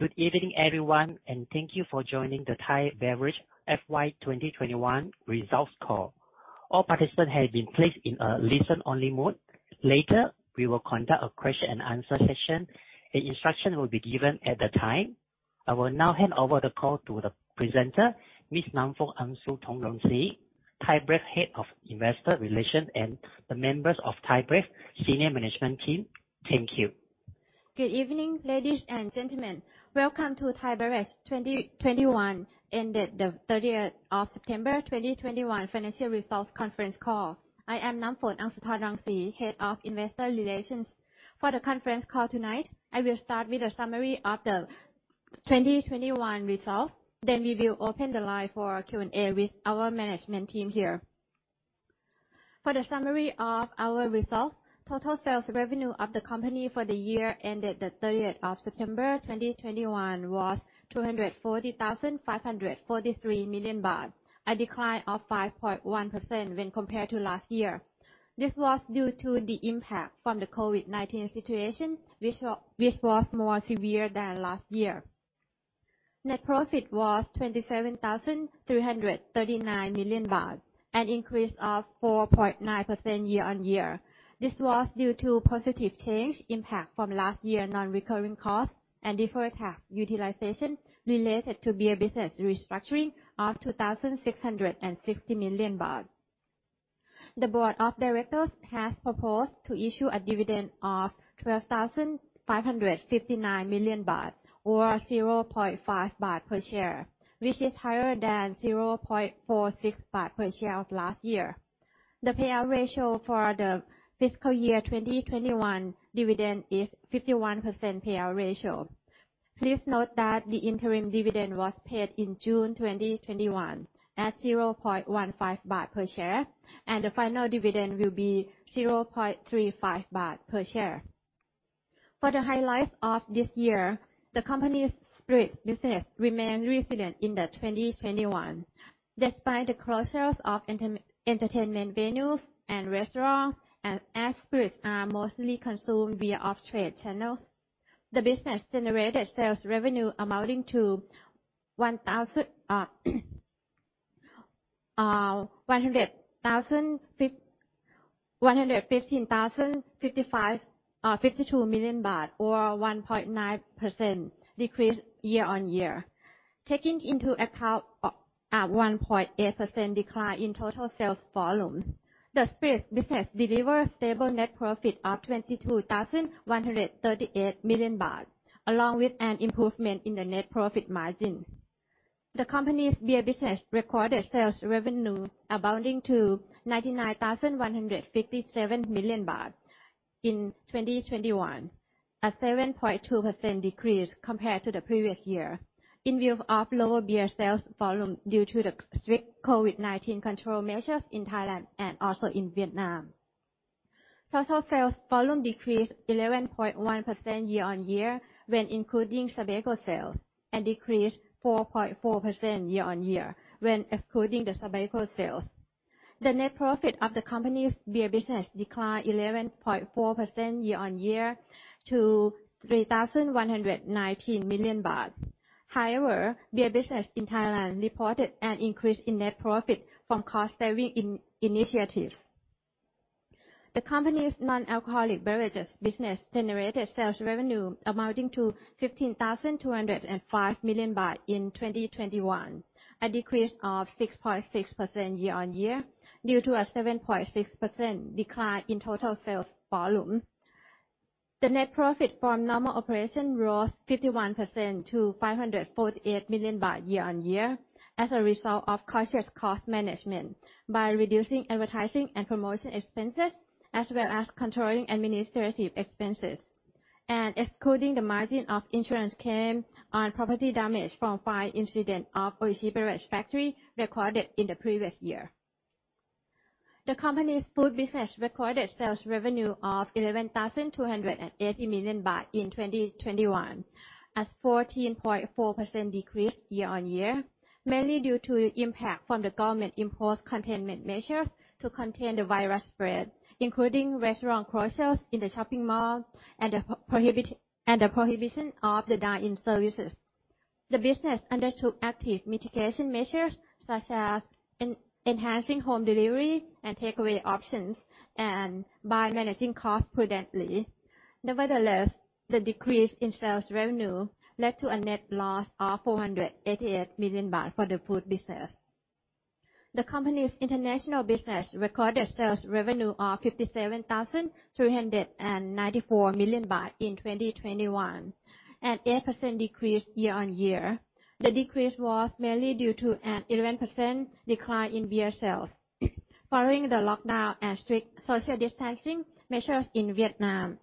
Good evening, everyone, and thank you for joining the Thai Beverage FY 2021 results call. All participants have been placed in a listen-only mode. Later, we will conduct a question and answer session, and instruction will be given at the time. I will now hand over the call to the presenter, Miss Namfon Aungsutornrungsi, Thai Beverage Head of Investor Relations, and the members of Thai Beverage Senior Management Team. Thank you. Good evening, ladies and gentlemen. Welcome to Thai Beverage 2021 ended 30 September 2021 financial results conference call. I am Namfon Aungsutornrungsi, Head of Investor Relations. For the conference call tonight, I will start with a summary of the 2021 results. Then we will open the line for Q&A with our management team here. For the summary of our results, total sales revenue of the company for the year ended September 30 2021 was 240,543 million baht, a decline of 5.1% when compared to last year. This was due to the impact from the COVID-19 situation, which was more severe than last year. Net profit was 27,339 million baht, an increase of 4.9% year-on-year. This was due to positive change impact from last year non-recurring costs and deferred tax utilization related to beer business restructuring of 2,660 million baht. The board of directors has proposed to issue a dividend of 12,559 million baht, or 0.5 baht per share, which is higher than 0.46 baht per share of last year. The payout ratio for the fiscal year 2021 dividend is 51% payout ratio. Please note that the interim dividend was paid in June 2021 at 0.15 baht Per share, and the final dividend will be 0.35 baht per share. For the highlights of this year, the company's spirits business remained resilient in 2021, despite the closures of entertainment venues and restaurants, as spirits are mostly consumed via off-trade channel. The business generated sales revenue amounting to THB 115,052 million, or 1.9% decrease year-on-year. Taking into account a 1.8% decline in total sales volume, the spirits business delivered stable net profit of 22,138 million baht, along with an improvement in the net profit margin. The company's beer business recorded sales revenue amounting to 99,157 million baht in 2021, a 7.2% decrease compared to the previous year in view of lower beer sales volume due to the strict COVID-19 control measures in Thailand and also in Vietnam. Total sales volume decreased 11.1% year-on-year when including SABECO sales, and decreased 4.4% year-on-year when excluding the SABECO sales. The net profit of the company's beer business declined 11.4% year-on-year to 3,119 million baht. However, beer business in Thailand reported an increase in net profit from cost saving in initiatives. The company's non-alcoholic beverages business generated sales revenue amounting to 15,205 million baht in 2021, a decrease of 6.6% year-on-year due to a 7.6% decline in total sales volume. The net profit from normal operation rose 51% to 548 million baht year-on-year as a result of conscious cost management by reducing advertising and promotion expenses, as well as controlling administrative expenses, and excluding the margin of insurance claim on property damage from fire incident of Oishi Trading factory recorded in the previous year. The company's food business recorded sales revenue of 11,280 million baht in 2021, a 14.4% decrease year-on-year, mainly due to impact from the government-imposed containment measures to contain the virus spread, including restaurant closures in the shopping mall and the prohibition of the dine-in services. The business undertook active mitigation measures, such as enhancing home delivery and takeaway options, and by managing costs prudently. Nevertheless, the decrease in sales revenue led to a net loss of 488 million baht for the food business. The company's international business recorded sales revenue of 57,394 million baht in 2021, an 8% decrease year-on-year. The decrease was mainly due to an 11% decline in beer sales following the lockdown and strict social distancing measures in Vietnam.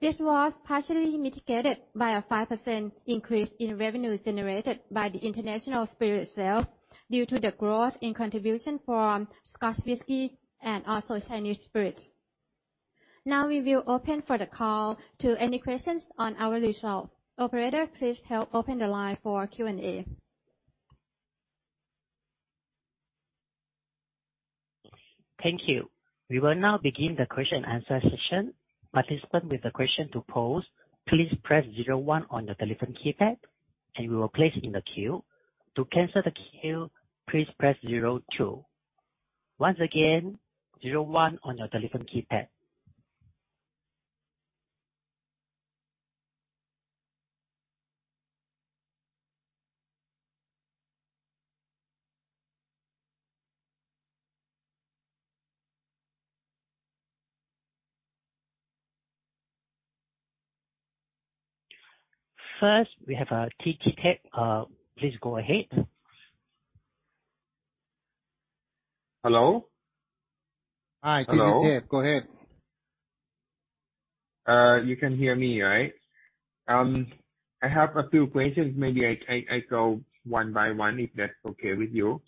This was partially mitigated by a 5% increase in revenue generated by the international spirit sales due to the growth in contribution from Scotch whisky and also Chinese spirits. Now we will open for the call to any questions on our results. Operator, please help open the line for Q&A. Thank you. We will now begin the question and answer session. Participant with a question to pose, please press zero one on your telephone keypad, and you will be placed in the queue. To cancel the queue, please press zero two. Once again, zero one on your telephone keypad. First, we have Thitithep. Please go ahead. Hello? Hi, Thitithep. Hello. Go ahead. You can hear me right? I have a few questions. Maybe I go one by one, if that's okay with you.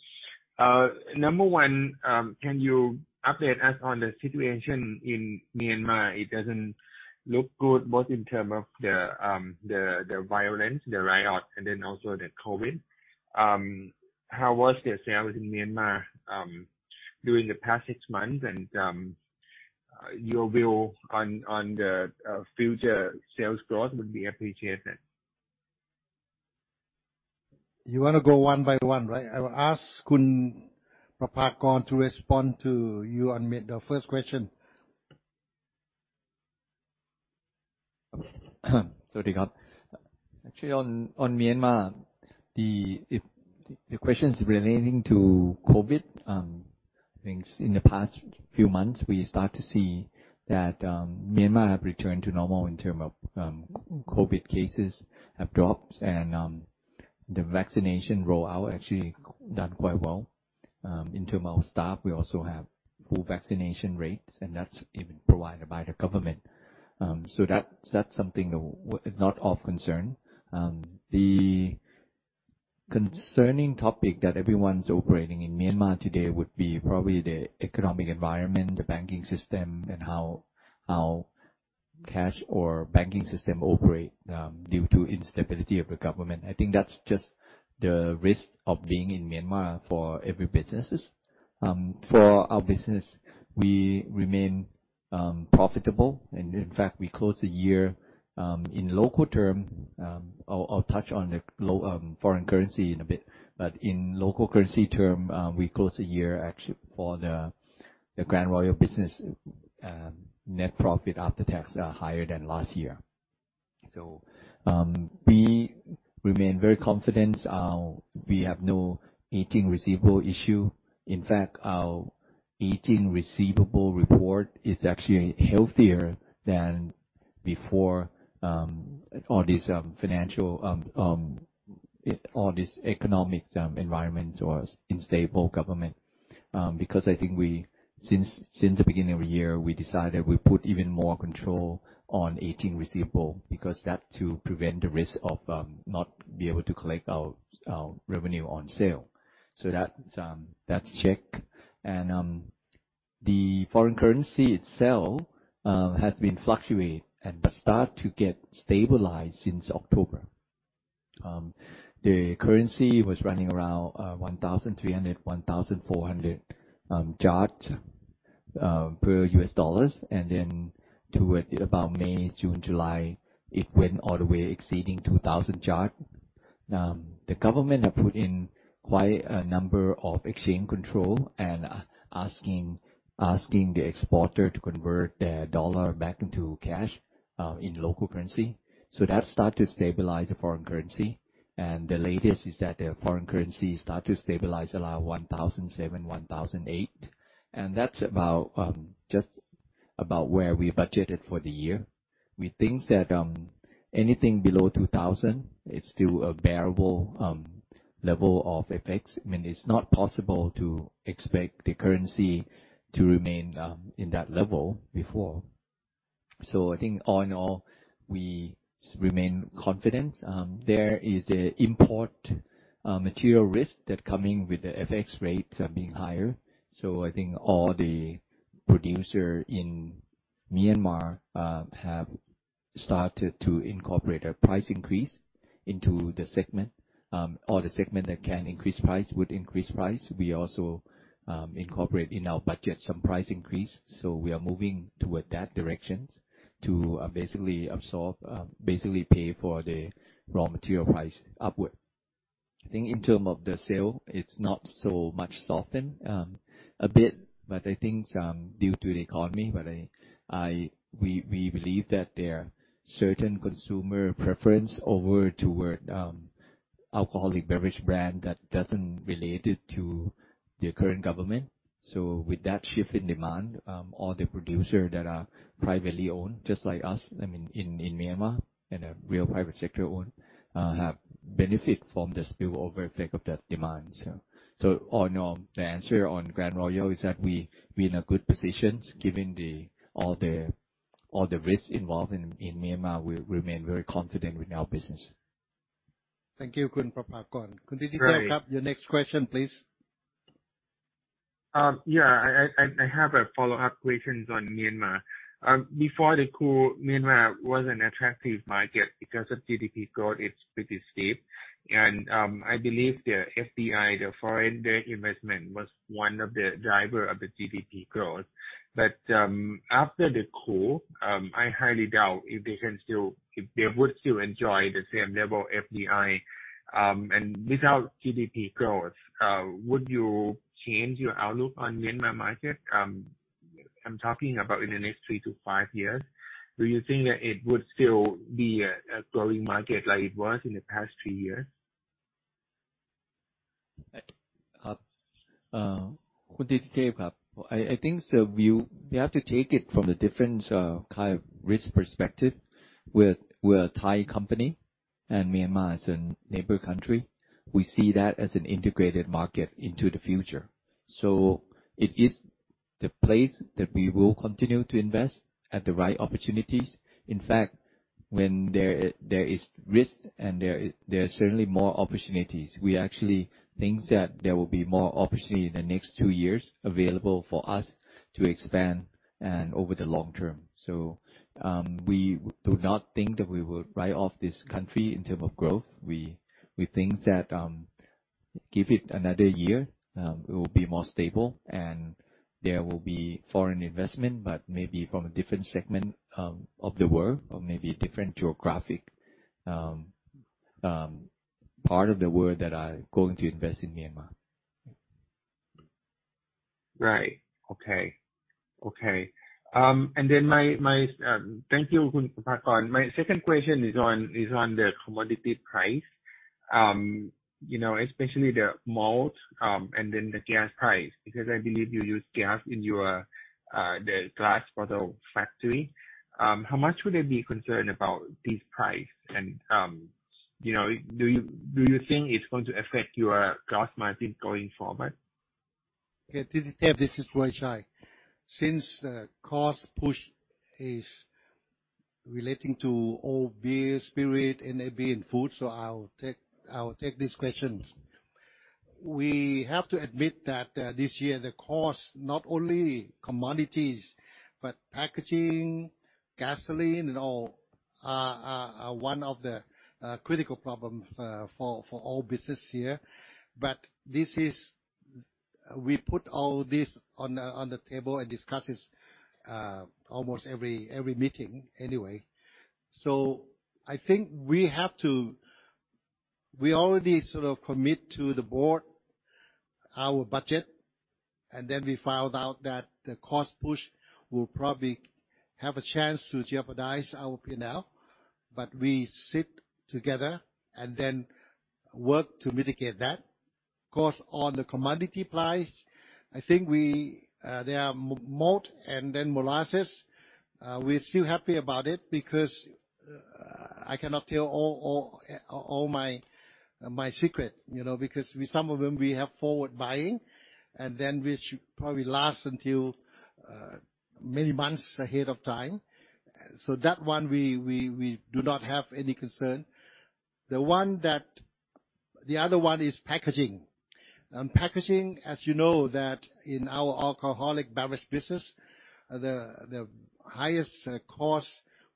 Number one, can you update us on the situation in Myanmar? It doesn't look good, both in terms of the violence, the riot, and then also the COVID. How was the sales in Myanmar during the past six months? Your view on the future sales growth would be appreciated. You wanna go one by one, right? I will ask Khun Prapakon to respond to you on the first question. Actually, on Myanmar, if the question is relating to COVID, I think in the past few months, we start to see that Myanmar have returned to normal in term of COVID cases have dropped and the vaccination rollout actually done quite well. In term of staff, we also have full vaccination rates, and that's even provided by the government. That's something not of concern. The concerning topic that everyone's operating in Myanmar today would be probably the economic environment, the banking system, and how cash or banking system operate due to instability of the government. I think that's just the risk of being in Myanmar for every businesses. For our business, we remain profitable. In fact, we close the year in local term. I'll touch on foreign currency in a bit. In local currency terms, we close the year actually for the Grand Royal business, net profit after tax are higher than last year. We remain very confident. We have no aging receivable issue. In fact, our aging receivable report is actually healthier than before, all this economic environment or stable government. Because I think we, since the beginning of the year, we decided we put even more control on aging receivable, because that to prevent the risk of not be able to collect our revenue on sale. That's check. The foreign currency itself has been fluctuate and but start to get stabilized since October. The currency was running around MMK 1,300, MMK 1,400 per USD. Then toward about May, June, July, it went all the way exceeding MMK 2,000. The government have put in quite a number of exchange control and asking the exporter to convert their dollar back into cash in local currency. That start to stabilize the foreign currency. The latest is that their foreign currency start to stabilize around MMK 1,700, MMK 1,800. That's about just about where we budgeted for the year. We think that anything below MMK 2,000, it's still a bearable level of FX. I mean, it's not possible to expect the currency to remain in that level before. I think all in all, we remain confident. There is an important material risk that coming with the FX rates being higher. I think all the producers in Myanmar have started to incorporate a price increase into the segment. All the segments that can increase price would increase price. We also incorporate in our budget some price increase, so we are moving toward that direction to basically absorb basically pay for the raw material price upward. I think in terms of the sales, it's not so much softened a bit, but I think due to the economy. We believe that there are certain consumer preferences over toward alcoholic beverage brands that don't relate to the current government. With that shift in demand, all the producers that are privately owned, just like us, I mean, in Myanmar, and are really private sector owned, have benefited from the spillover effect of that demand. All in all, the answer on Grand Royal is that we're in a good position given all the risks involved in Myanmar. We remain very confident with our business. Thank you, Khun Prapakon. Great. Khun Thitithep, your next question, please. Yeah. I have a follow-up questions on Myanmar. Before the coup, Myanmar was an attractive market because of GDP growth, it's pretty steep. I believe the FDI, the foreign investment, was one of the driver of the GDP growth. After the coup, I highly doubt if they would still enjoy the same level of FDI, and without GDP growth, would you change your outlook on Myanmar market? I'm talking about in the next three to five years. Do you think that it would still be a growing market like it was in the past three years? I think so. We have to take it from a different kind of risk perspective. We're a Thai company, and Myanmar is a neighbor country. We see that as an integrated market into the future. It is the place that we will continue to invest at the right opportunities. In fact, when there is risk, there are certainly more opportunities. We actually think that there will be more opportunity in the next two years available for us to expand and over the long term. We do not think that we will write off this country in terms of growth. We think that, give it another year, it will be more stable, and there will be foreign investment, but maybe from a different segment of the world or maybe a different geographic part of the world that are going to invest in Myanmar. Thank you, Prapakon. My second question is on the commodity price. You know, especially the malt and then the gas price, because I believe you use gas in your glass bottle factory. How much would they be concerned about this price? You know, do you think it's going to affect your glass margin going forward? Thitithep. This is Ueychai. Since the cost push is relating to all beer, spirit, NAB, and food, I'll take these questions. We have to admit that this year, the cost, not only commodities, but packaging, gasoline and all, are one of the critical problems for all business here. We put all this on the table and discuss this almost every meeting anyway. I think we already sort of commit to the board our budget, and then we found out that the cost push will probably have a chance to jeopardize our P&L. We sit together and then work to mitigate that. Of course, on the commodity price, I think there are malt and then molasses. We're still happy about it because I cannot tell all my secret, you know. With some of them, we have forward buying, and then which probably lasts until many months ahead of time. That one we do not have any concern. The other one is packaging. Packaging, as you know that in our alcoholic beverage business, the highest cost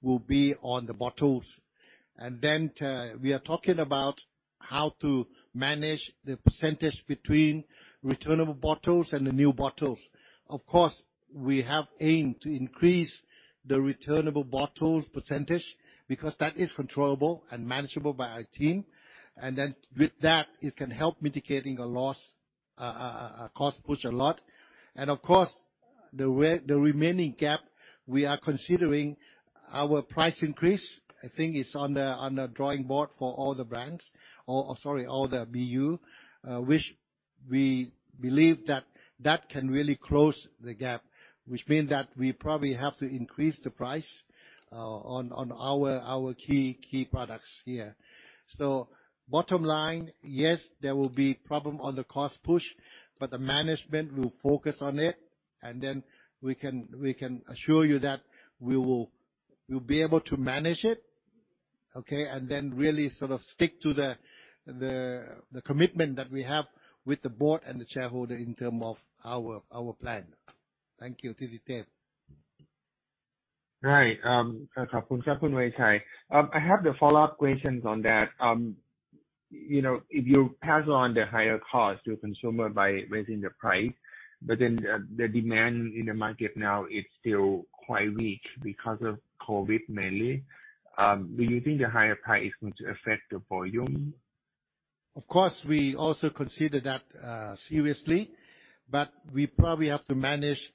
will be on the bottles. We are talking about how to manage the percentage between returnable bottles and the new bottles. Of course, we have aimed to increase the returnable bottles percentage because that is controllable and manageable by our team. With that, it can help mitigating a loss a cost push a lot. Of course, the remaining gap, we are considering our price increase. I think it's on the drawing board for all the brands, sorry, all the BU, which we believe that can really close the gap, which mean that we probably have to increase the price on our key products here. Bottom line, yes, there will be problem on the cost push, but the management will focus on it, and then we can assure you that we will, we'll be able to manage it, okay? Really sort of stick to the commitment that we have with the board and the shareholder in term of our plan. Thank you Thitithep. Right. I have the follow-up questions on that. You know, if you pass on the higher cost to consumer by raising the price, but then the demand in the market now is still quite weak because of COVID mainly, do you think the higher price is going to affect the volume? Of course, we also consider that seriously, but we probably have to manage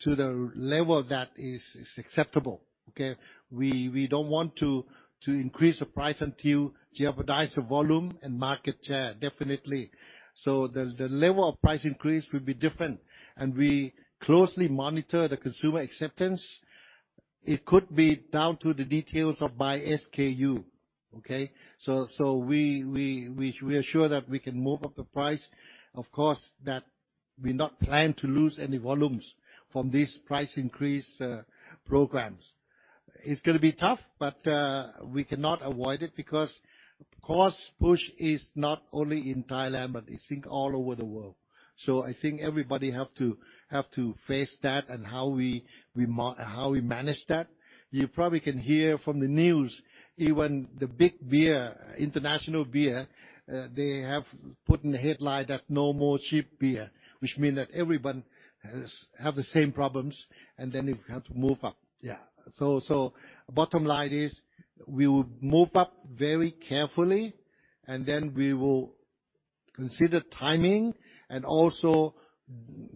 to the level that is acceptable, okay? We don't want to increase the price until you jeopardize the volume and market share, definitely. The level of price increase will be different, and we closely monitor the consumer acceptance. It could be down to the details of by SKU, okay? We are sure that we can move up the price. Of course, that we not plan to lose any volumes from this price increase programs. It's gonna be tough, but we cannot avoid it because cost push is not only in Thailand, but I think all over the world. I think everybody have to face that and how we manage that. You probably can hear from the news, even the big beer, international beer, they have put in the headline that no more cheap beer, which mean that everyone has the same problems, and then you have to move up. Yeah. Bottom line is we will move up very carefully, and then we will consider timing and also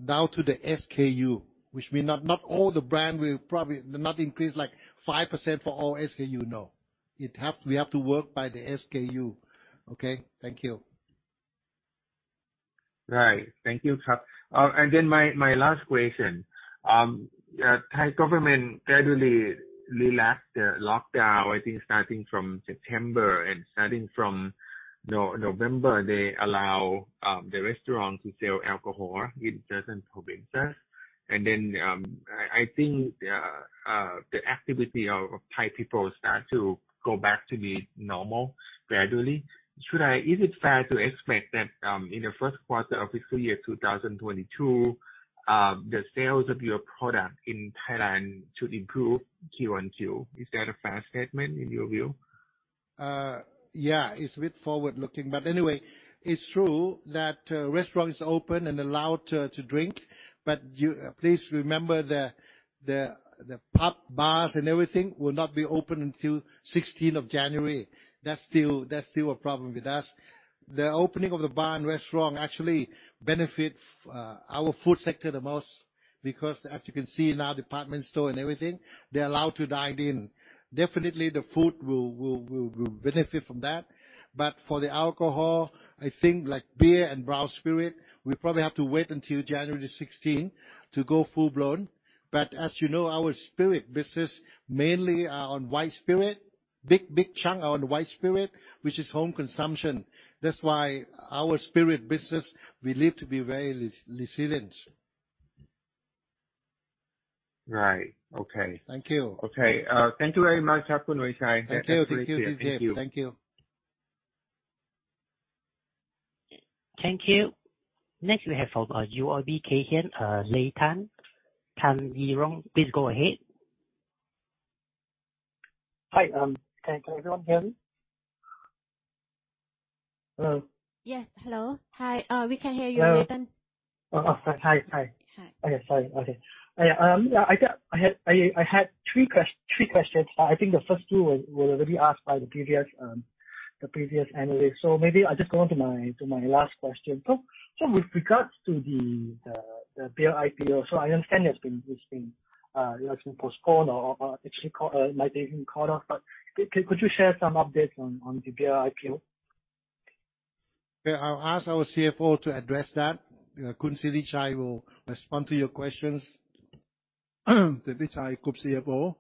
down to the SKU, which mean not all the brand will probably not increase like 5% for all SKU, no. We have to work by the SKU. Okay? Thank you. Right. Thank you, Khun. My last question. Thai government gradually relaxed the lockdown, I think starting from September and starting from November, they allow the restaurant to sell alcohol in certain provinces. I think the activity of Thai people start to go back to be normal gradually. Is it fair to expect that in the first quarter of fiscal year 2022 the sales of your product in Thailand should improve Q1 too? Is that a fair statement in your view? Yeah, it's a bit forward-looking, but anyway, it's true that restaurant is open and allowed to drink. Please remember the pub, bars, and everything will not be open until sixteenth of January. That's still a problem with us. The opening of the bar and restaurant actually benefit our food sector the most because as you can see now, department store and everything, they're allowed to dine in. Definitely, the food will benefit from that. For the alcohol, I think like beer and brown spirit, we probably have to wait until January sixteenth to go full-blown. As you know, our spirit business mainly are on white spirit, big chunk are on white spirit, which is home consumption. That's why our spirit business, we believe to be very resilient. Right. Okay. Thank you. Okay. Thank you very much, Khun Ueychai. Thank you. Thank you. Appreciate it. Thank you. Thank you. Thank you. Next we have from UOB Kay Hian, Llelleythan Tan Yi Rong. Please go ahead. Hi. Can everyone hear me? Hello? Yes. Hello. Hi. We can hear you, Llelleythan. Hello. Oh, hi. Hi. Hi. I had three questions. I think the first two were already asked by the previous analyst. Maybe I just go on to my last question. With regards to the beer IPO, I understand it's been postponed or actually might even cut off. Could you share some updates on the beer IPO? Yeah. I'll ask our CFO to address that. Khun Sithichai will respond to your questions, the ThaiBev Group CFO.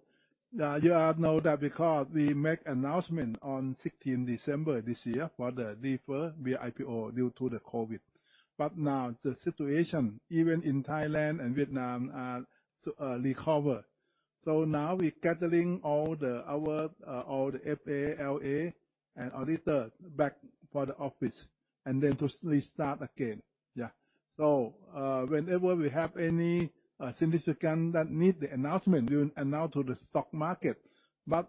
Now, you all know that because we make announcement on 16 December this year for the deferred BeerCo IPO due to the COVID. Now the situation, even in Thailand and Vietnam, are recover. Now we're gathering all the FA and LA and auditors back to the office and then to restart again. Yeah. Whenever we have any significant that need the announcement, we will announce to the stock market.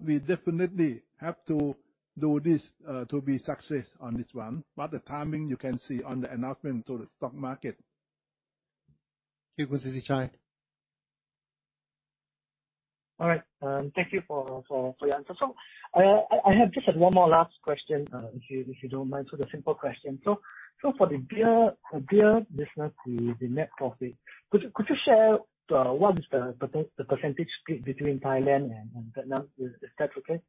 We definitely have to do this to be success on this one. The timing, you can see on the announcement to the stock market. Thank you, Khun Sithichai. All right. Thank you for your answer. I have just one more last question, if you don't mind. A simple question. For the beer business, the net profit, could you share what is the percentage split between Thailand and Vietnam? Is that okay?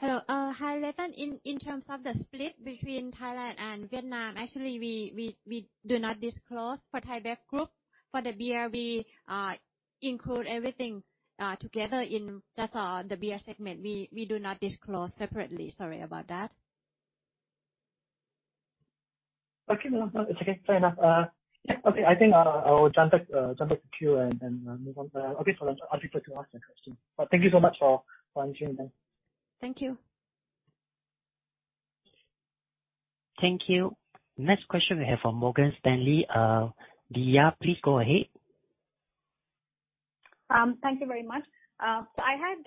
Hello. Hi, Llelleythan Tan. In terms of the split between Thailand and Vietnam, actually, we do not disclose for ThaiBev Group. For the beer, we include everything together in just the beer segment. We do not disclose separately. Sorry about that. Okay. No, no, it's okay. Fair enough. Yeah. Okay, I think I will jump back to queue and then move on. Okay. I'll stick to last question. Thank you so much for answering that. Thank you. Thank you. Next question we have from Morgan Stanley. Divya, please go ahead. Thank you very much. I had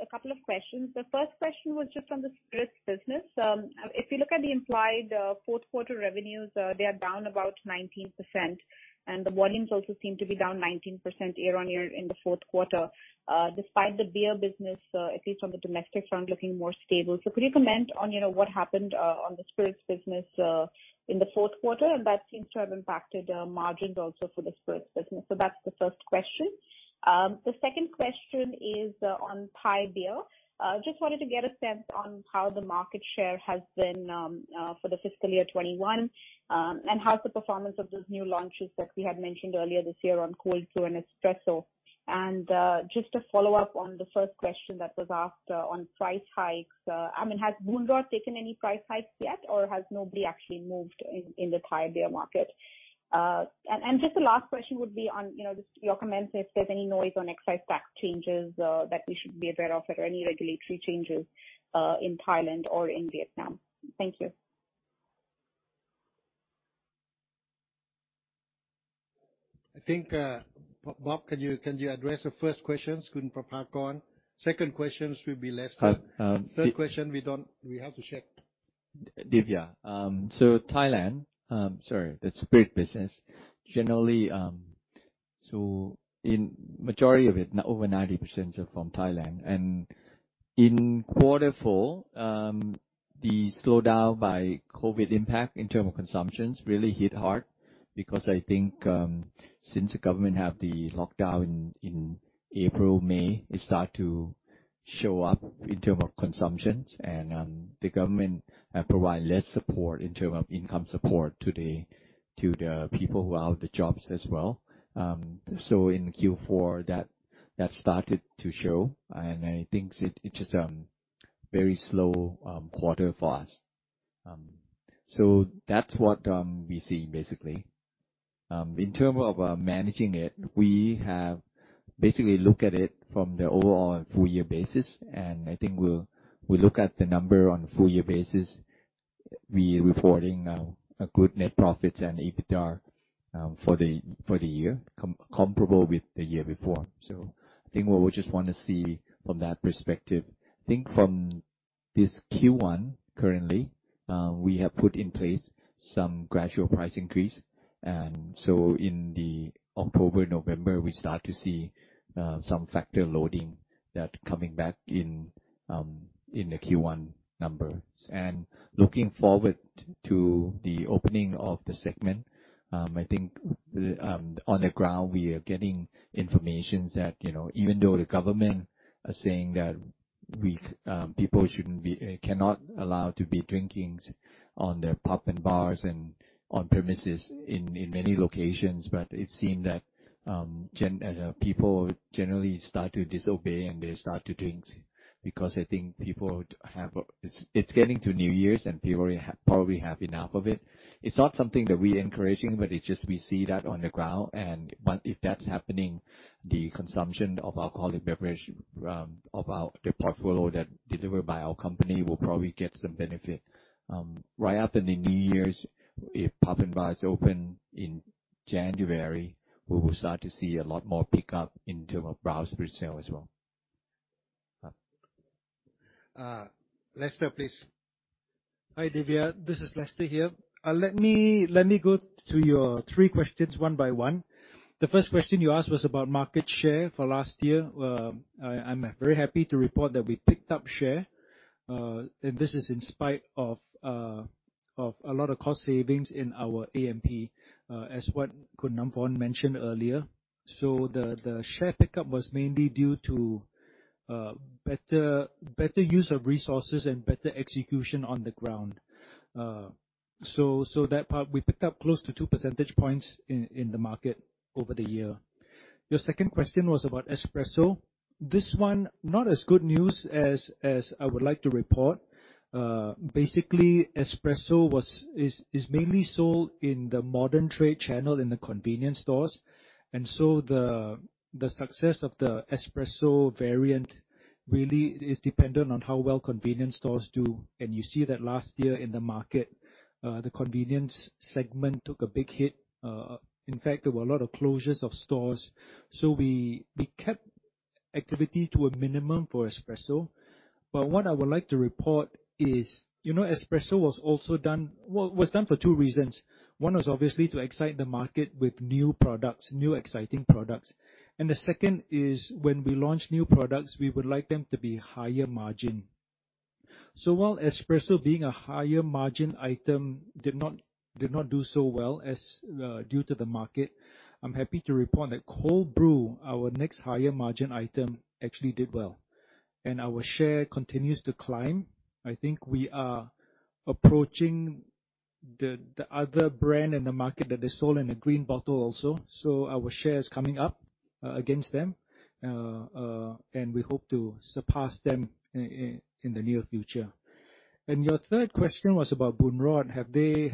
a couple of questions. The first question was just on the spirits business. If you look at the implied fourth quarter revenues, they are down about 19%, and the volumes also seem to be down 19% year-on-year in the fourth quarter, despite the beer business, at least from the domestic front, looking more stable. Could you comment on, you know, what happened on the spirits business in the fourth quarter? That seems to have impacted margins also for the spirits business. That's the first question. The second question is on Thai beer. Just wanted to get a sense on how the market share has been for the fiscal year 2021 and how's the performance of those new launches that we had mentioned earlier this year on Cold Brew and Espresso. Just to follow up on the first question that was asked on price hikes, I mean, has Bundaberg taken any price hikes yet, or has nobody actually moved in the Thai beer market? Just the last question would be on, you know, just your comments if there's any noise on excise tax changes that we should be aware of, or any regulatory changes in Thailand or in Vietnam. Thank you. I think, Prapakon, can you address the first question, Kun Prapakon? Second question should be Lester. Um, um- Third question, we have to check. Divya, so Thailand, sorry, the spirit business, generally, so in majority of it, and over 90% are from Thailand. In quarter four, the slowdown by COVID impact in term of consumption really hit hard because I think, since the government have the lockdown in April, May, it start to show up in term of consumption. The government provide less support in term of income support to the people who are out of the jobs as well. In Q4, that started to show, and I think it's just a very slow quarter for us. That's what we see basically. In term of managing it, we have basically looked at it from the overall full year basis. I think we look at the number on full year basis. We're reporting a good net profit and EBITDA for the year comparable with the year before. I think what we just wanna see from that perspective. I think from this Q1 currently, we have put in place some gradual price increase. In October, November, we start to see some factor loading that coming back in the Q1 numbers. Looking forward to the opening of the segment, I think on the ground we are getting information that, you know, even though the government is saying that people cannot be allowed to be drinking in pubs and bars and on-premises in many locations, but it seems that people generally start to disobey and they start to drink. Because I think people have had enough of it. It's getting to New Year's, and people probably have enough of it. It's not something that we're encouraging, but it's just that we see that on the ground. If that's happening, the consumption of alcoholic beverage of our portfolio delivered by our company will probably get some benefit. Right after the New Year's, if pubs and bars open in January, we will start to see a lot more pickup in terms of on-trade sales as well. Lester, please. Hi, Divya. This is Lester here. Let me go to your three questions one by one. The first question you asked was about market share for last year. I'm very happy to report that we picked up share. This is in spite of a lot of cost savings in our A&P, as what Khun Namfon mentioned earlier. The share pickup was mainly due to better use of resources and better execution on the ground. That part, we picked up close to two percentage points in the market over the year. Your second question was about Espresso. This one, not as good news as I would like to report. Basically, Espresso is mainly sold in the modern trade channel in the convenience stores. The success of the Espresso variant really is dependent on how well convenience stores do. You see that last year in the market, the convenience segment took a big hit. In fact, there were a lot of closures of stores. We kept activity to a minimum for Espresso. What I would like to report is, you know, Espresso was also done for two reasons. One was obviously to excite the market with new products, new exciting products. The second is when we launch new products, we would like them to be higher margin. While Espresso being a higher margin item did not do so well due to the market, I'm happy to report that Cold Brew, our next higher margin item, actually did well. Our share continues to climb. I think we are approaching the other brand in the market that is sold in a green bottle also. Our share is coming up against them. We hope to surpass them in the near future. Your third question was about Boon Rawd. Have they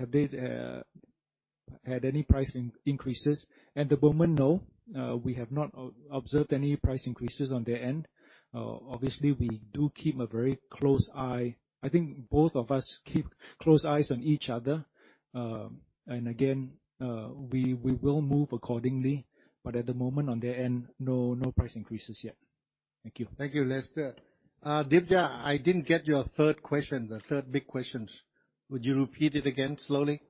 had any price increases? At the moment, no. We have not observed any price increases on their end. Obviously, we do keep a very close eye. I think both of us keep close eyes on each other. Again, we will move accordingly. At the moment, on their end, no price increases yet. Thank you. Thank you, Lester. Divya, I didn't get your third question, the third big questions. Would you repeat it again slowly?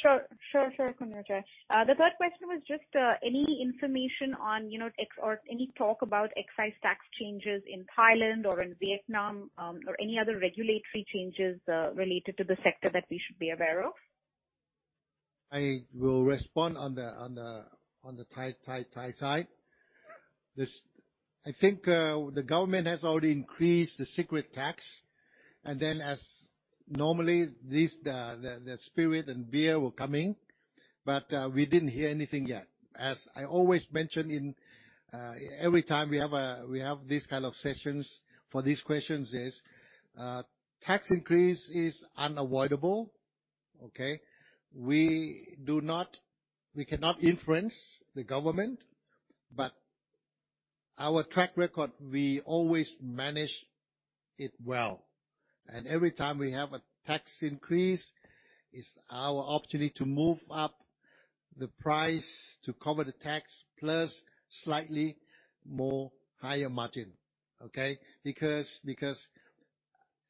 Sure, Khun Ueychai. The third question was just any information on, you know, excise tax changes in Thailand or in Vietnam, or any other regulatory changes related to the sector that we should be aware of? I will respond on the Thai side. I think the government has already increased the cigarette tax. As normally, the spirit and beer will come in. We didn't hear anything yet. As I always mention, every time we have these kind of sessions for these questions, tax increase is unavoidable. Okay? We cannot influence the government, but our track record, we always manage it well. Every time we have a tax increase, it's our opportunity to move up the price to cover the tax, plus slightly more higher margin. Okay?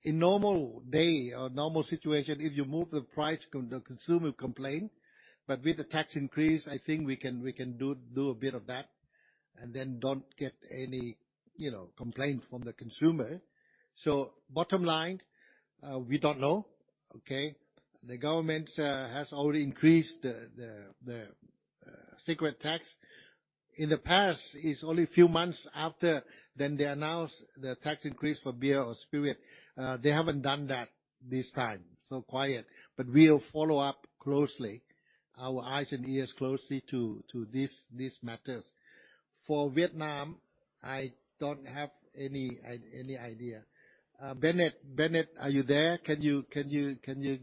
In normal day or normal situation, if you move the price, the consumer complain, but with the tax increase, I think we can do a bit of that, and then don't get any, you know, complaints from the consumer. Bottom line, we don't know. Okay? The government has already increased the cigarette tax. In the past, it's only few months after then they announce the tax increase for beer or spirit. They haven't done that this time, so quiet. We'll follow up closely, our eyes and ears closely to these matters. For Vietnam, I don't have any idea. Bennett, are you there? Can you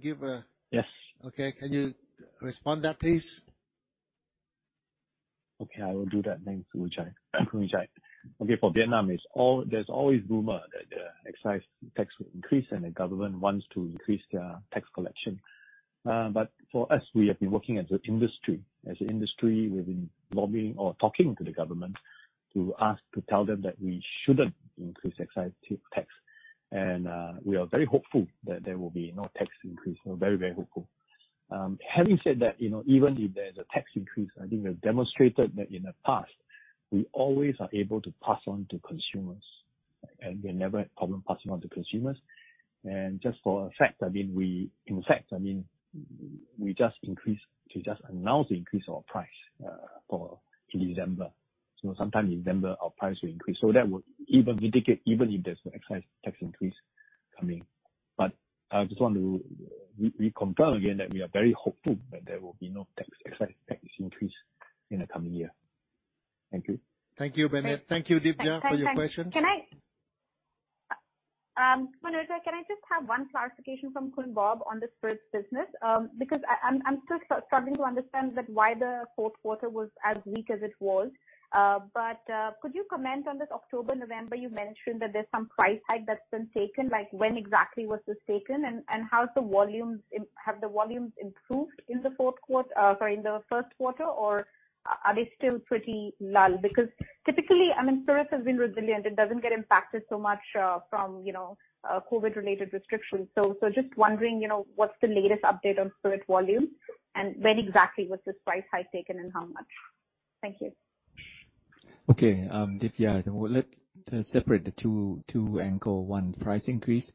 give a Yes. Okay. Can you respond that, please? Okay. I will do that. Thanks, Ueychai. Okay, for Vietnam, there's always rumor that the excise tax will increase and the government wants to increase their tax collection. But for us, we have been working as an industry. As an industry, we've been lobbying or talking to the government to ask to tell them that we shouldn't increase excise tax. We are very hopeful that there will be no tax increase. We're very, very hopeful. Having said that, you know, even if there's a tax increase, I think we have demonstrated that in the past, we always are able to pass on to consumers, and we never had problem passing on to consumers. Just for a fact, I mean, In fact, I mean, we just announced the increase of our price in December. Sometime in December our price will increase. That would even mitigate, even if there's an excise tax increase coming. I just want to re-confirm again that we are very hopeful that there will be no excise tax increase in the coming year. Thank you. Thank you, Bennett. Great. Thank you, Divya, for your questions. Can I just have one clarification from Khun Prapakon on the spirits business? Because I'm still struggling to understand why the fourth quarter was as weak as it was. Could you comment on this October, November? You mentioned that there's some price hike that's been taken, like when exactly was this taken? And how's the volumes? Have the volumes improved in the first quarter, or are they still pretty low? Because typically, I mean, spirits has been resilient. It doesn't get impacted so much from COVID-related restrictions. Just wondering what's the latest update on spirit volume and when exactly was this price hike taken and how much? Thank you. Okay. Divya, let's separate the two angles. One, price increase,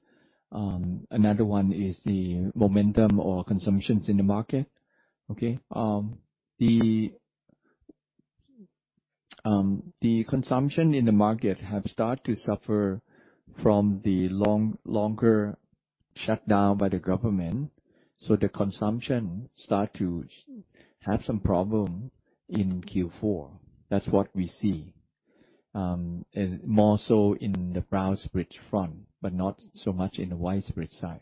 another one is the momentum or consumptions in the market. Okay? The consumption in the market have started to suffer from the longer shutdown by the government, so the consumption start to have some problem in Q4. That's what we see. And more so in the brown spirit front, but not so much in the white spirit side.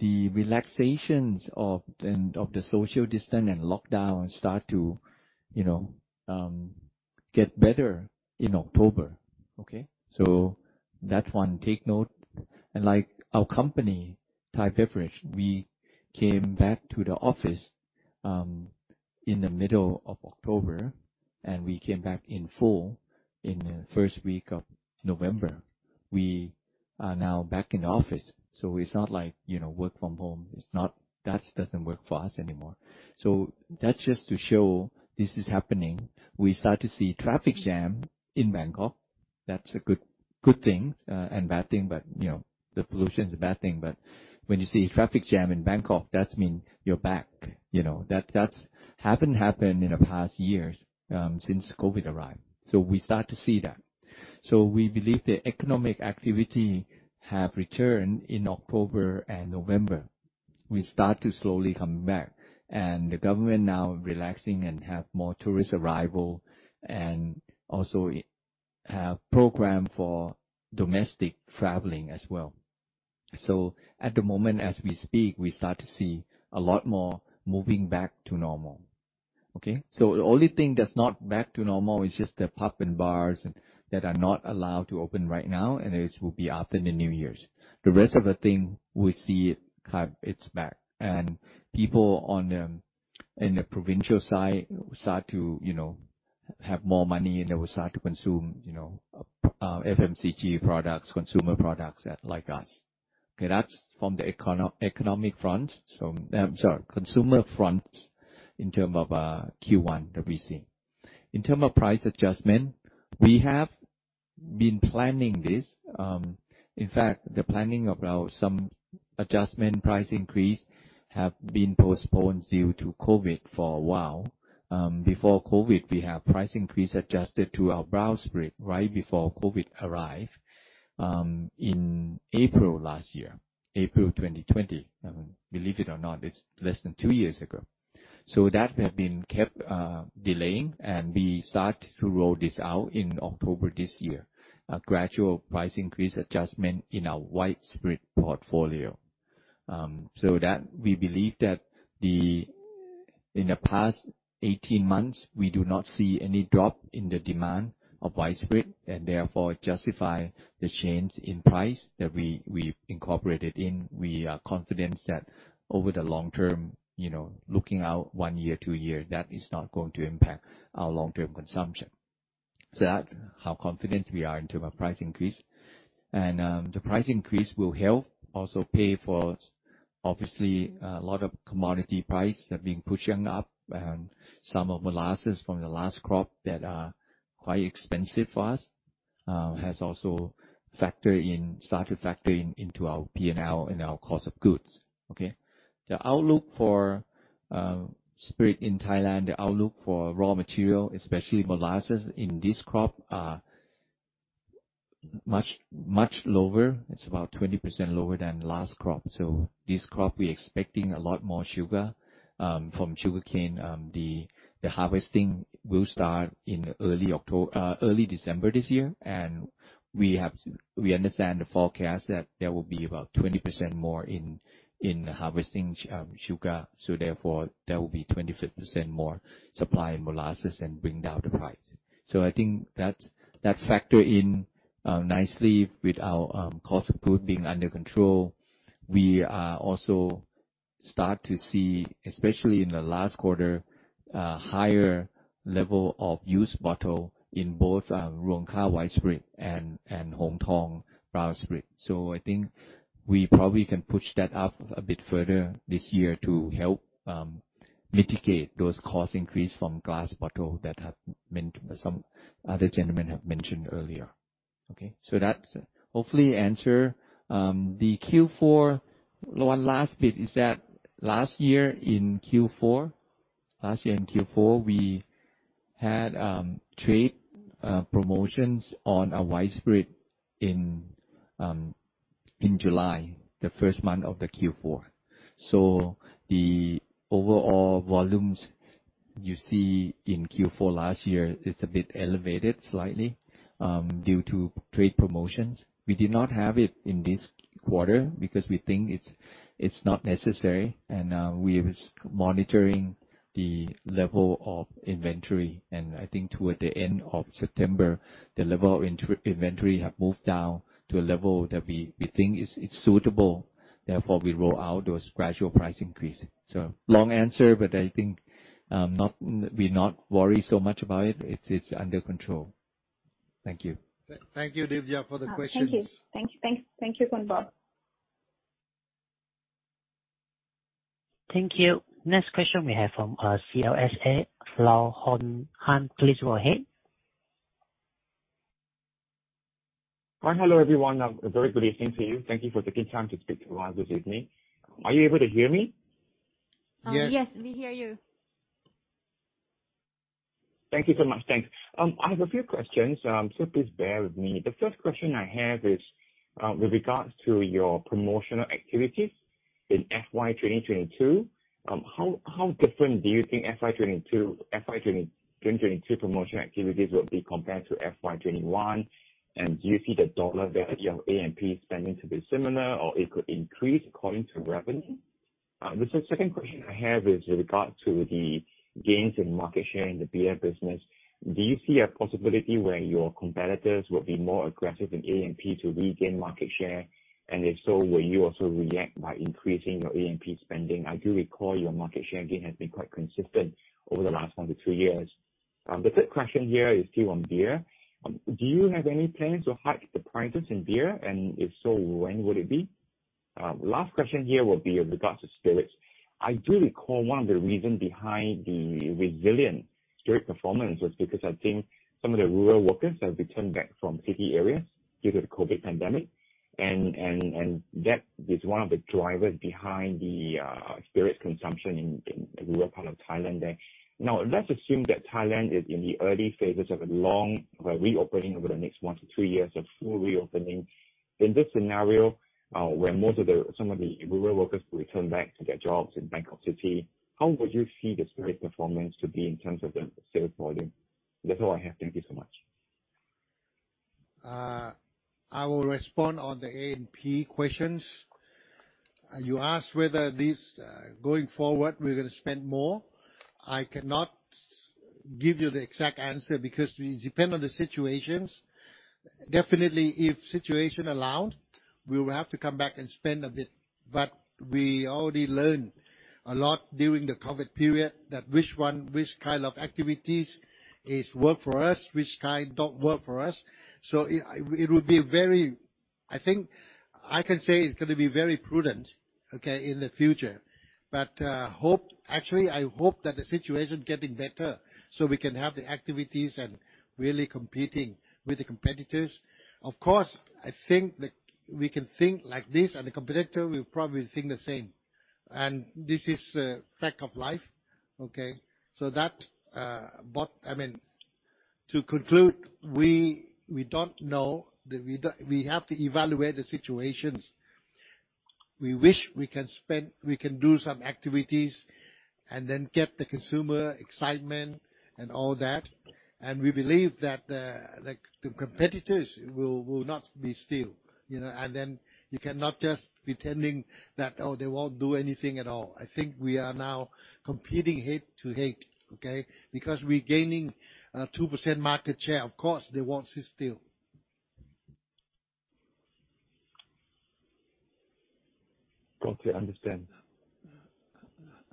The relaxations of the social distance and lockdown start to, you know, get better in October. Okay? So that one, take note. Like our company, Thai Beverage, we came back to the office in the middle of October, and we came back in full in the first week of November. We are now back in the office, so it's not like, you know, work from home. It's not that doesn't work for us anymore. That's just to show this is happening. We start to see traffic jam in Bangkok. That's a good thing and bad thing. You know, the pollution is a bad thing. When you see traffic jam in Bangkok, that means you're back. You know? That hasn't happened in the past years since COVID arrived. We start to see that. We believe the economic activity has returned in October and November. We start to slowly coming back. The government now relaxing and have more tourist arrival and also have program for domestic traveling as well. At the moment, as we speak, we start to see a lot more moving back to normal. The only thing that's not back to normal is just the pub and bars and. That are not allowed to open right now, and it will be after the New Year's. The rest of the thing, we see it kind of back. People on the, in the provincial side start to, you know, have more money, and they will start to consume, you know, FMCG products, consumer products that like us. Okay, that's from the economic front. Consumer front in terms of Q1 that we see. In terms of price adjustment, we have been planning this. In fact, the planning of our some adjustment price increase have been postponed due to COVID for a while. Before COVID, we have price increase adjusted to our brown spirit right before COVID arrived, in April last year. April 2020. Believe it or not, it's less than two years ago. That has been delayed, and we start to roll this out in October this year, a gradual price increase adjustment in our white spirit portfolio. We believe that. In the past 18 months, we do not see any drop in the demand of white spirit, and therefore justify the change in price that we incorporated in. We are confident that over the long term, you know, looking out one year, two year, that is not going to impact our long-term consumption. That's how confident we are in terms of price increase. The price increase will help also pay for obviously a lot of commodity prices that are being pushed up and some of molasses from the last crop that are quite expensive for us has also started factoring into our P&L and our cost of goods, okay? The outlook for spirits in Thailand, the outlook for raw material, especially molasses in this crop are much lower. It's about 20% lower than last crop. This crop we're expecting a lot more sugar from sugarcane. The harvesting will start in early December this year, and we understand the forecast that there will be about 20% more in harvesting sugar, so therefore there will be 25% more supply in molasses and bring down the price. I think that factor in nicely with our cost of goods being under control. We are also starting to see, especially in the last quarter, higher level of used bottles in both Ruang Khao white spirit and Hong Thong brown spirit. I think we probably can push that up a bit further this year to help mitigate those cost increase from glass bottle that have been mentioned by some other gentlemen earlier, okay? That hopefully answer the Q4. One last bit is that last year in Q4 we had trade promotions on our white spirit in July, the first month of the Q4. The overall volumes you see in Q4 last year is a bit elevated slightly due to trade promotions. We did not have it in this quarter because we think it's not necessary, and we're monitoring the level of inventory. I think toward the end of September, the level of inventory has moved down to a level that we think is suitable, therefore, we roll out those gradual price increases. Long answer, but I think we're not worried so much about it. It's under control. Thank you. Thank you, Divya, for the questions. Thank you, Khun Prapakon. Thank you. Next question we have from CLSA, Hornghan Low. Please go ahead. Well, hello, everyone. A very good evening to you. Thank you for taking time to speak to us this evening. Are you able to hear me? Yes. Yes, we hear you. Thank you so much. Thanks. I have a few questions, so please bear with me. The first question I have is, with regards to your promotional activities in FY 2022. How different do you think FY 2022 promotion activities will be compared to FY 2021? And do you see the dollar value of A&P spending to be similar or it could increase according to revenue? The second question I have is with regard to the gains in market share in the beer business. Do you see a possibility where your competitors will be more aggressive in A&P to regain market share? And if so, will you also react by increasing your A&P spending? I do recall your market share gain has been quite consistent over the last one to two years. The third question here is still on beer. Do you have any plans to hike the prices in beer? And if so, when would it be? Last question here will be with regards to spirits. I do recall one of the reasons behind the resilient spirit performance was because I think some of the rural workers have returned back from city areas due to the COVID pandemic. And that is one of the drivers behind the spirit consumption in the rural part of Thailand there. Now, let's assume that Thailand is in the early phases of a long reopening over the next one to three years of full reopening. In this scenario, where some of the rural workers will return back to their jobs in Bangkok City, how would you see the spirits performance to be in terms of the sales volume? That's all I have. Thank you so much. I will respond on the A&P questions. You asked whether this going forward, we're gonna spend more. I cannot give you the exact answer because we depend on the situations. Definitely, if situation allow, we will have to come back and spend a bit, but we already learned a lot during the COVID period that which one, which kind of activities is work for us, which kind don't work for us. I think I can say it would be very prudent, okay, in the future. Actually, I hope that the situation getting better, so we can have the activities and really competing with the competitors. Of course, I think we can think like this, and the competitor will probably think the same. This is fact of life, okay? That To conclude, we don't know. We have to evaluate the situations. We wish we can spend. We can do some activities and then get the consumer excitement and all that. We believe that the competitors will not sit still, you know. You cannot just pretend that, "Oh, they won't do anything at all." I think we are now competing head to head, okay? Because we're gaining 2% market share. Of course, they won't sit still. Got it. Understand.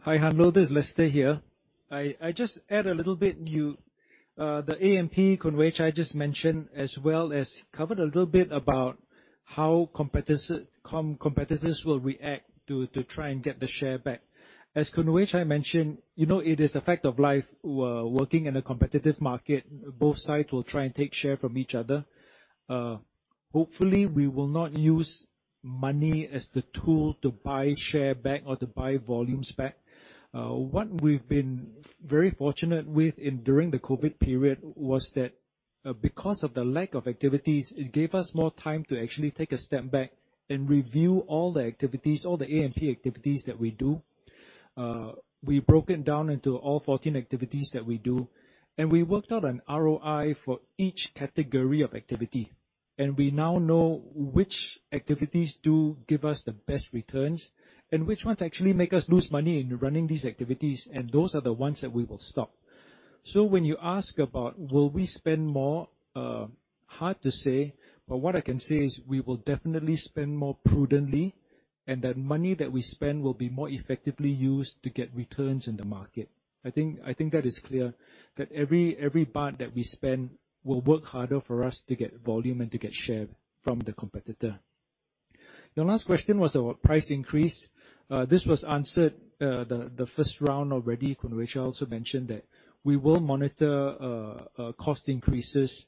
Hi, Hornghan. Well, this is Lester here. I just add a little bit. You, the A&P Khun Ueychai just mentioned as well as covered a little bit about how competitors will react to try and get the share back. As Khun Ueychai mentioned, you know, it is a fact of life. We're working in a competitive market. Both sides will try and take share from each other. Hopefully, we will not use money as the tool to buy share back or to buy volumes back. What we've been very fortunate with during the COVID period was that, because of the lack of activities, it gave us more time to actually take a step back and review all the activities, all the A&P activities that we do. We broke it down into all 14 activities that we do, and we worked out an ROI for each category of activity. We now know which activities do give us the best returns and which ones actually make us lose money in running these activities, and those are the ones that we will stop. When you ask about will we spend more, hard to say, but what I can say is we will definitely spend more prudently, and that money that we spend will be more effectively used to get returns in the market. I think that is clear, that every part that we spend will work harder for us to get volume and to get share from the competitor. Your last question was about price increase. This was answered in the first round already. Ueychai also mentioned that we will monitor cost increases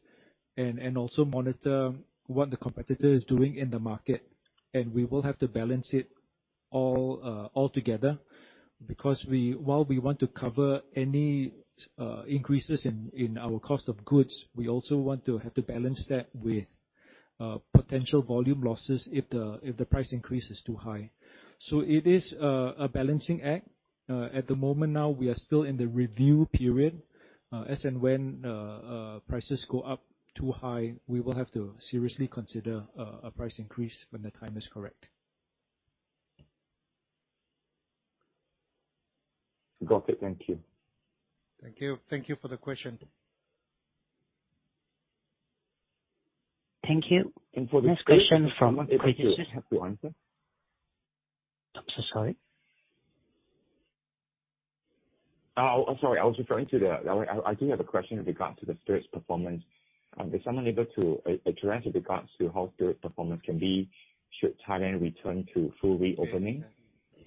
and also monitor what the competitor is doing in the market. We will have to balance it all together, because while we want to cover any increases in our cost of goods, we also want to have to balance that with potential volume losses if the price increase is too high. It is a balancing act. At the moment now, we are still in the review period. As and when prices go up too high, we will have to seriously consider a price increase when the time is correct. Got it. Thank you. Thank you. Thank you for the question. Thank you. Next question from Credit Suisse. For this question, is someone able to help you answer? I'm so sorry. Oh, I'm sorry. I was referring to the I do have a question in regards to the spirits performance. Is someone able to address with regards to how spirits performance can be, should Thailand return to full reopening?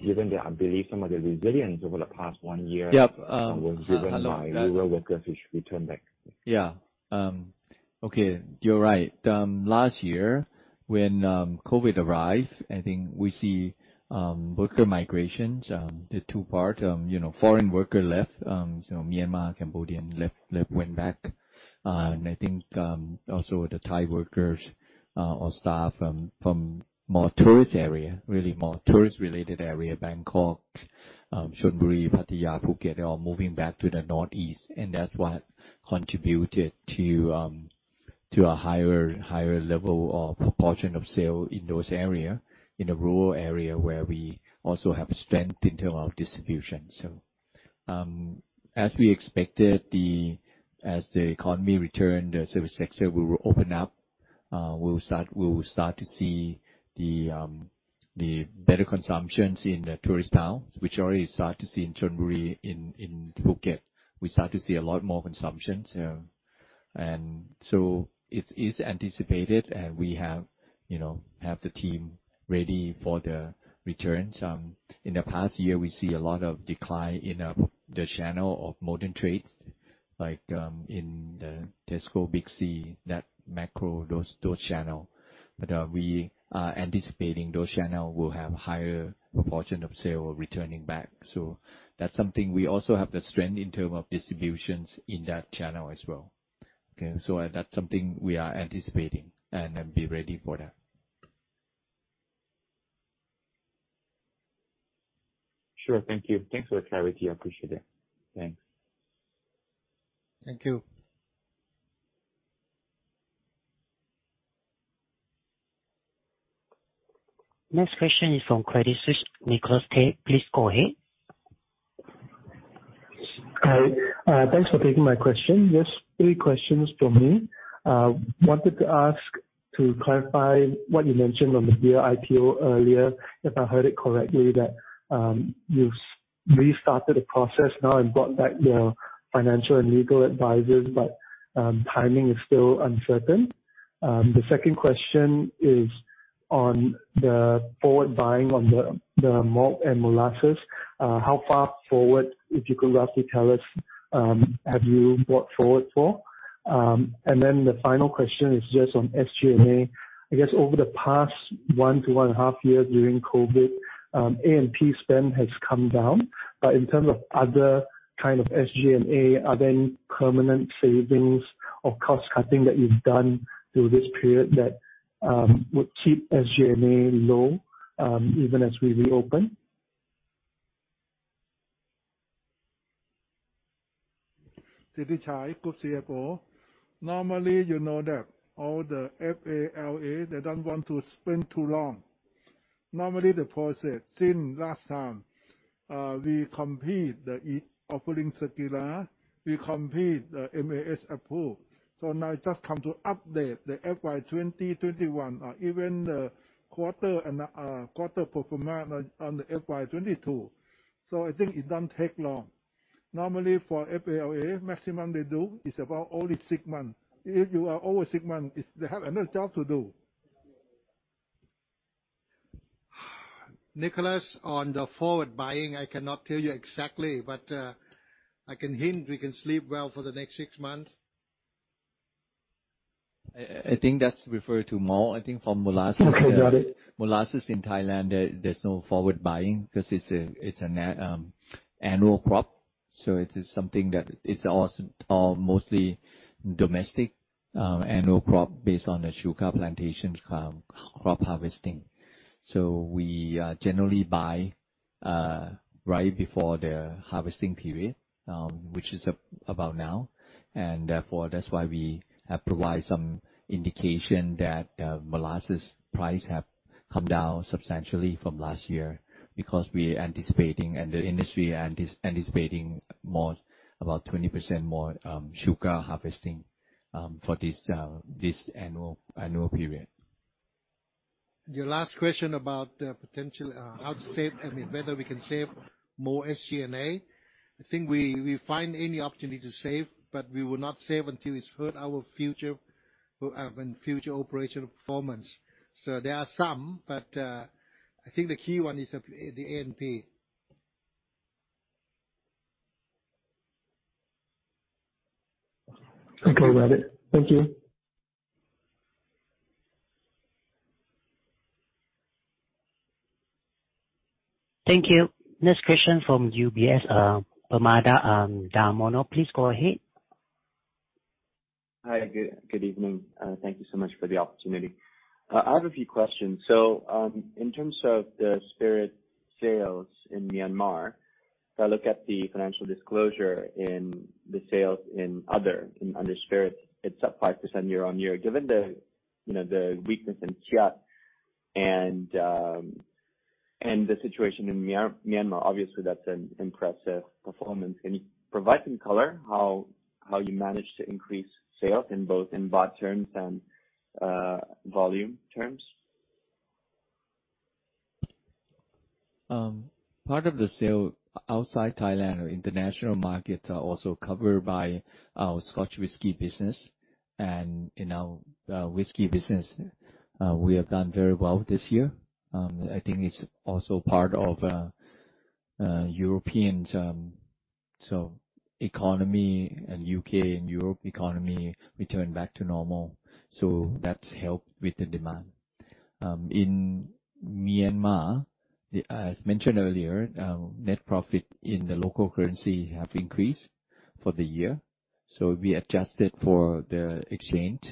Given the I believe some of the resilience over the past one year. Yep. Hello. Was driven by rural workers who returned back. Yeah. Okay. You're right. Last year, when COVID arrived, I think we see worker migrations in two parts. You know, foreign workers left, so Myanmar, Cambodian left, went back. I think also the Thai workers or staff from more tourist area, really more tourist related area, Bangkok, Chonburi, Pattaya, Phuket, they're all moving back to the northeast. That's what contributed to a higher level of proportion of sales in those areas, in the rural area where we also have strength in terms of distribution. As we expected, as the economy returns, the service sector will open up, we will start to see the better consumption in the tourist towns, which already start to see in Chonburi, in Phuket. We start to see a lot more consumption. It is anticipated and we have the team ready for the return. In the past year, we see a lot of decline in the channels of modern trade, like in Tesco, Big C, and Makro, those channels. We are anticipating those channels will have higher proportion of sales returning back. That's something we also have the strength in terms of distributions in that channel as well. That's something we are anticipating and be ready for that. Sure. Thank you. Thanks for the clarity. I appreciate it. Thanks. Thank you. Next question is from Credit Suisse. Nicholas Teh, please go ahead. Hi. Thanks for taking my question. Just three questions from me. Wanted to ask to clarify what you mentioned on the beer IPO earlier, if I heard it correctly, that you've restarted the process now and brought back your financial and legal advisors, but timing is still uncertain. The second question is on the forward buying on the malt and molasses. How far forward, if you could roughly tell us, have you bought forward for? And then the final question is just on SG&A. I guess over the past one to one and a half years during COVID, A&P spend has come down. In terms of other kind of SG&A, are there any permanent savings or cost cutting that you've done through this period that would keep SG&A low, even as we reopen? Sithichai, Group CFO. Normally, you know that all the FA and LA, they don't want to spend too long. Normally, the process since last time, we complete the offering circular, we complete the MAS approval. Now it just come to update the FY 2021, or even the quarter and the quarter performance on the FY 2022. I think it doesn't take long. Normally for FA and LA, maximum they do is about only six months. If you are over six months, it's they have another job to do. Nicholas, on the forward buying, I cannot tell you exactly, but I can hint we can sleep well for the next six months. I think that's referred to more, I think from molasses. Okay, got it. Molasses in Thailand, there's no forward buying because it's an annual crop, so it is something that is also mostly domestic annual crop based on the sugar plantations crop harvesting. We generally buy right before the harvesting period, which is about now, and therefore, that's why we have provided some indication that molasses price have come down substantially from last year because we're anticipating and the industry anticipating more, about 20% more sugar harvesting for this annual period. Your last question about whether we can save more SG&A, I mean. I think we find any opportunity to save, but we will not save until it's hurt our future operational performance. There are some, but I think the key one is the A&P. Okay, got it. Thank you. Thank you. Next question from UBS, Permada Darmono. Please go ahead. Hi. Good evening. Thank you so much for the opportunity. I have a few questions. In terms of the spirit sales in Myanmar, if I look at the financial disclosure in the sales in other spirits, it's up 5% year-on-year. Given the weakness in kyat and the situation in Myanmar, obviously that's an impressive performance. Can you provide some color how you managed to increase sales in both baht terms and volume terms? Part of the sale outside Thailand or international markets are also covered by our Scotch whisky business. In our whiskey business, we have done very well this year. I think it's also part of the European economy and U.K. and Europe economy return back to normal. That's helped with the demand. In Myanmar, as mentioned earlier, net profit in the local currency have increased for the year. We adjusted for the exchange.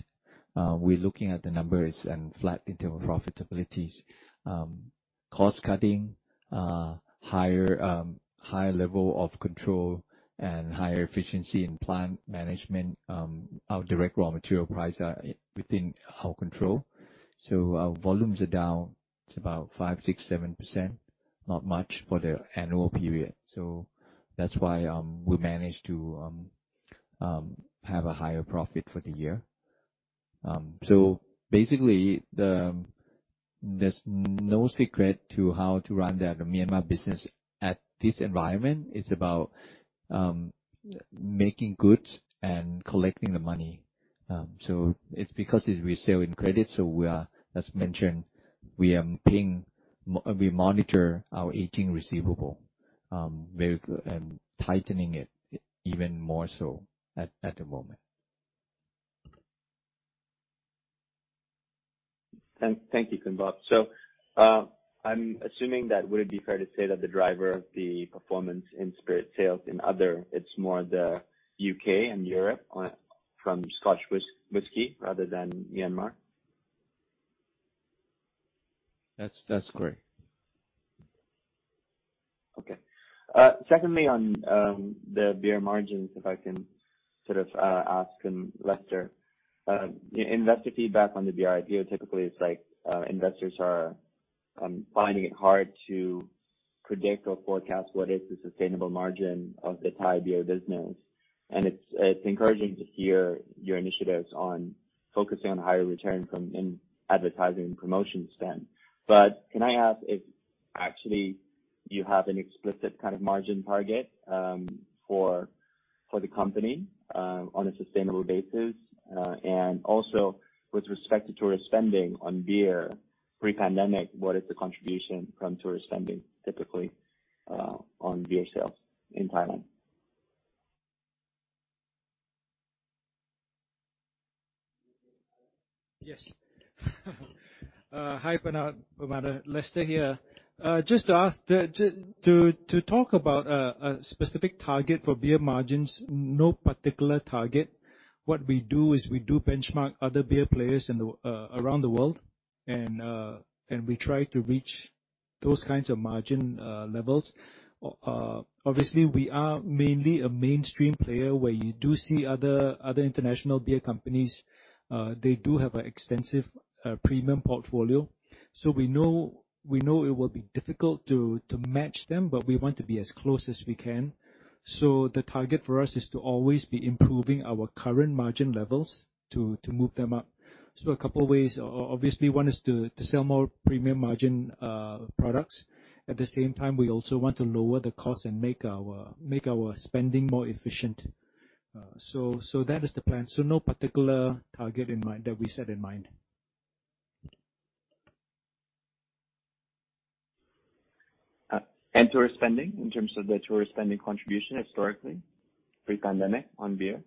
We're looking at the numbers and flat in terms of profitabilities. Cost cutting, higher level of control and higher efficiency in plant management. Our direct raw material prices are within our control. Our volumes are down to about 5%-7%, not much for the annual period. That's why we managed to have a higher profit for the year. Basically, there's no secret to how to run the Myanmar business in this environment. It's about making goods and collecting the money. It's because we sell in credit. As mentioned, we monitor our aging receivables very tightly, tightening it even more so at the moment. Thank you, Khun Prapakon. I'm assuming that would it be fair to say that the driver of the performance in spirit sales in other, it's more the U.K. and Europe on, from Scotch whisky rather than Myanmar? That's correct. Okay. Secondly, on the beer margins, if I can sort of ask Lester. Investor feedback on the beer IPO typically is like investors are finding it hard to predict or forecast what is the sustainable margin of the Thai beer business. It's encouraging to hear your initiatives on focusing on higher return from in advertising and promotion spend. But can I ask if actually you have an explicit kind of margin target for the company on a sustainable basis? And also with respect to tourist spending on beer pre-pandemic, what is the contribution from tourist spending typically on beer sales in Thailand? Yes. Hi, Permada. Lester here. Just to ask to talk about a specific target for beer margins, no particular target. What we do is we do benchmark other beer players around the world, and we try to reach those kinds of margin levels. Obviously, we are mainly a mainstream player where you do see other international beer companies, they do have an extensive premium portfolio. We know it will be difficult to match them, but we want to be as close as we can. The target for us is to always be improving our current margin levels to move them up. A couple ways. Obviously, one is to sell more premium margin products. At the same time, we also want to lower the cost and make our spending more efficient. That is the plan. No particular target in mind that we set in mind. Tourist spending, in terms of the tourist spending contribution historically, pre-pandemic on beer?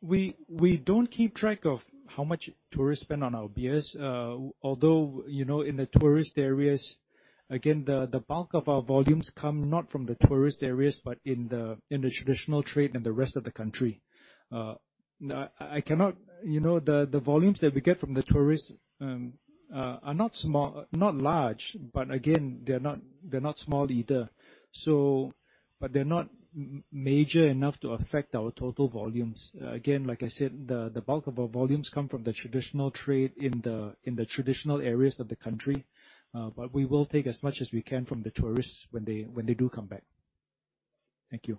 We don't keep track of how much tourists spend on our beers. Although, you know, in the tourist areas, again, the bulk of our volumes come not from the tourist areas, but in the traditional trade and the rest of the country. You know, the volumes that we get from the tourists are not small, not large, but again, they're not small either. But they're not major enough to affect our total volumes. Again, like I said, the bulk of our volumes come from the traditional trade in the traditional areas of the country. But we will take as much as we can from the tourists when they do come back. Thank you.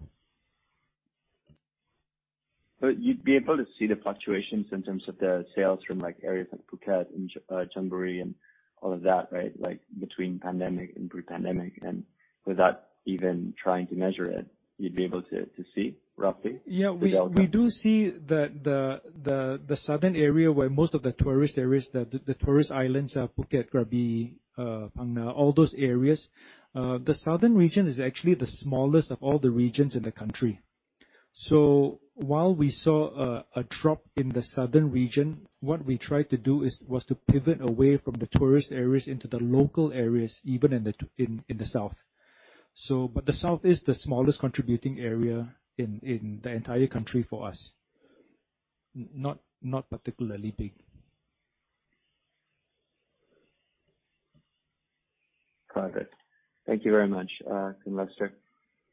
You'd be able to see the fluctuations in terms of the sales from, like, areas like Phuket and Chonburi and all of that, right? Like, between pandemic and pre-pandemic, and without even trying to measure it, you'd be able to see roughly the outcome? We do see the southern area where most of the tourist areas, the tourist islands, Phuket, Krabi all those areas. The southern region is actually the smallest of all the regions in the country. While we saw a drop in the southern region, what we tried to do was to pivot away from the tourist areas into the local areas, even in the south. But the south is the smallest contributing area in the entire country for us. Not particularly big. Got it. Thank you very much, Khun Lester.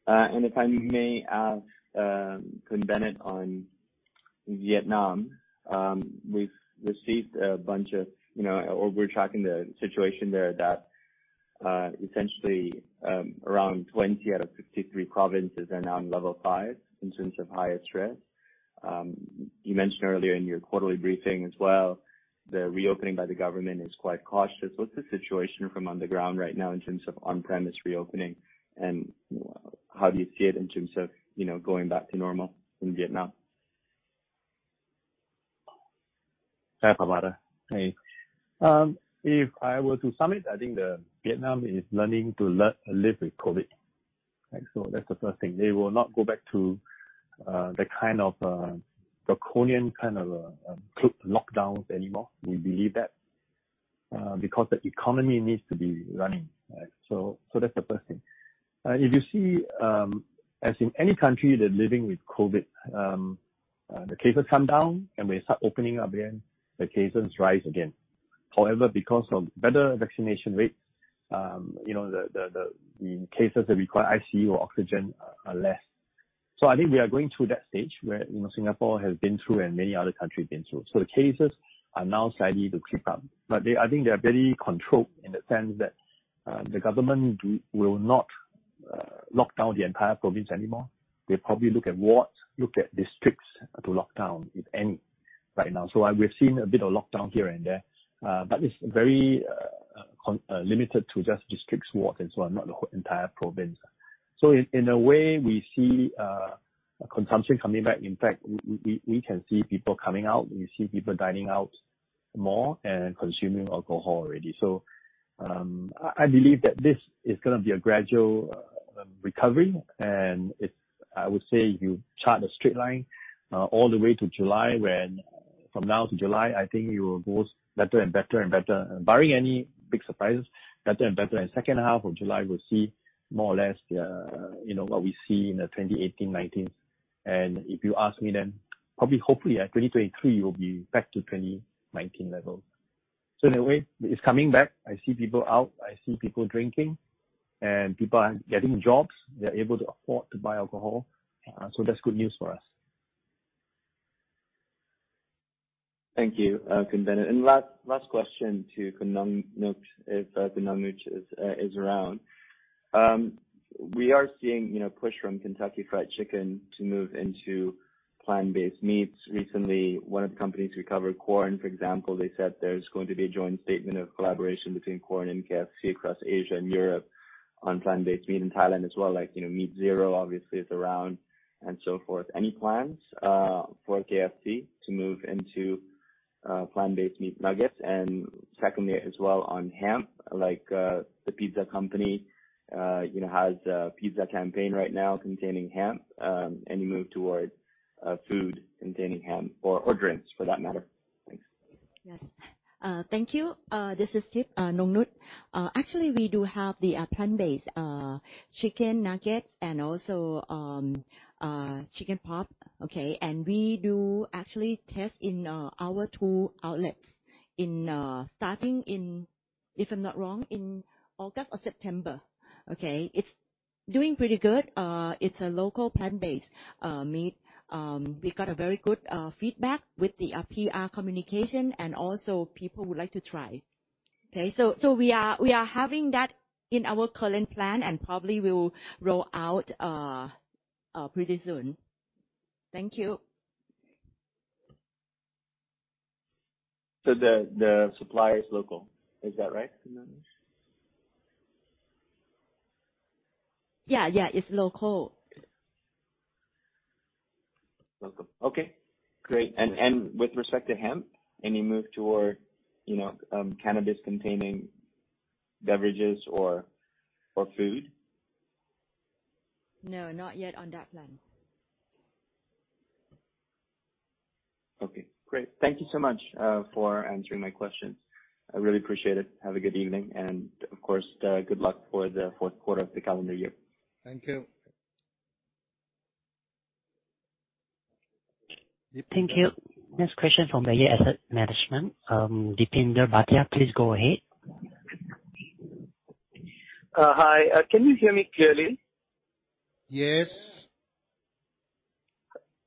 If I may ask, Khun Bennett on Vietnam, we've received a bunch of, you know, or we're tracking the situation there that, essentially, around 20 out of 63 provinces are now in level five in terms of highest risk. You mentioned earlier in your quarterly briefing as well, the reopening by the government is quite cautious. What's the situation from on the ground right now in terms of on-premise reopening? You know, how do you see it in terms of, you know, going back to normal in Vietnam? Hi, Permada. Hey. If I were to sum it, I think Vietnam is learning to live with COVID. Right? That's the first thing. They will not go back to the kind of draconian kind of lockdowns anymore. We believe that. Because the economy needs to be running, right? That's the first thing. If you see, as in any country, they're living with COVID, the cases come down, and we start opening up again, the cases rise again. However, because of better vaccination rates, you know, the cases that require ICU or oxygen are less. I think we are going through that stage where, you know, Singapore has been through and many other countries been through. The cases are now starting to creep up. They, I think they are very controlled in the sense that the government will not lock down the entire province anymore. They probably look at wards, look at districts to lock down, if any, right now. We've seen a bit of lockdown here and there, but it's very limited to just districts, wards and so on, not the whole entire province. In a way, we see consumption coming back. In fact, we can see people coming out. We see people dining out more and consuming alcohol already. I believe that this is gonna be a gradual recovery, and it's, I would say you chart a straight line all the way to July, from now to July, I think you will go better and better and better, barring any big surprises, better and better. Second half of July, we'll see more or less, you know, what we see in the 2018, 2019. If you ask me then, probably hopefully at 2023, we'll be back to 2019 levels. In a way, it's coming back. I see people out. I see people drinking, and people are getting jobs. They're able to afford to buy alcohol. That's good news for us. Thank you, Khun Bennett. Last question to Khun Nongnut, if Khun Nongnut is around. We are seeing, you know, push from Kentucky Fried Chicken to move into plant-based meats. Recently, one of the companies we cover, Quorn, for example, they said there's going to be a joint statement of collaboration between Quorn and KFC across Asia and Europe on plant-based meat. In Thailand as well, like, you know, MEAT ZERO obviously is around, and so forth. Any plans for KFC to move into plant-based meat nuggets. Secondly, as well, on cannabis, like, the pizza company, you know, has a pizza campaign right now containing cannabis. Any move toward food containing cannabis or drinks for that matter? Thanks. Yes. Thank you. This is Tip, Nongnut. Actually, we do have the plant-based chicken nuggets and also chicken pop, okay? We do actually test in our two outlets starting in, if I'm not wrong, in August or September, okay? It's doing pretty good. It's a local plant-based meat. We got a very good feedback with the PR communication and also people would like to try, okay? We are having that in our current plan, and probably we'll roll out pretty soon. Thank you. The supply is local. Is that right, Nongnut? Yeah, yeah, it's local. Local. Okay, great. With respect to cannabis, any move toward, you know, cannabis-containing beverages or food? No, not yet on that plan. Okay, great. Thank you so much for answering my questions. I really appreciate it. Have a good evening, and of course, good luck for the fourth quarter of the calendar year. Thank you. Thank you. Next question from Bayard Asset Management. Deepinder Bhatia, please go ahead. Hi. Can you hear me clearly? Yes.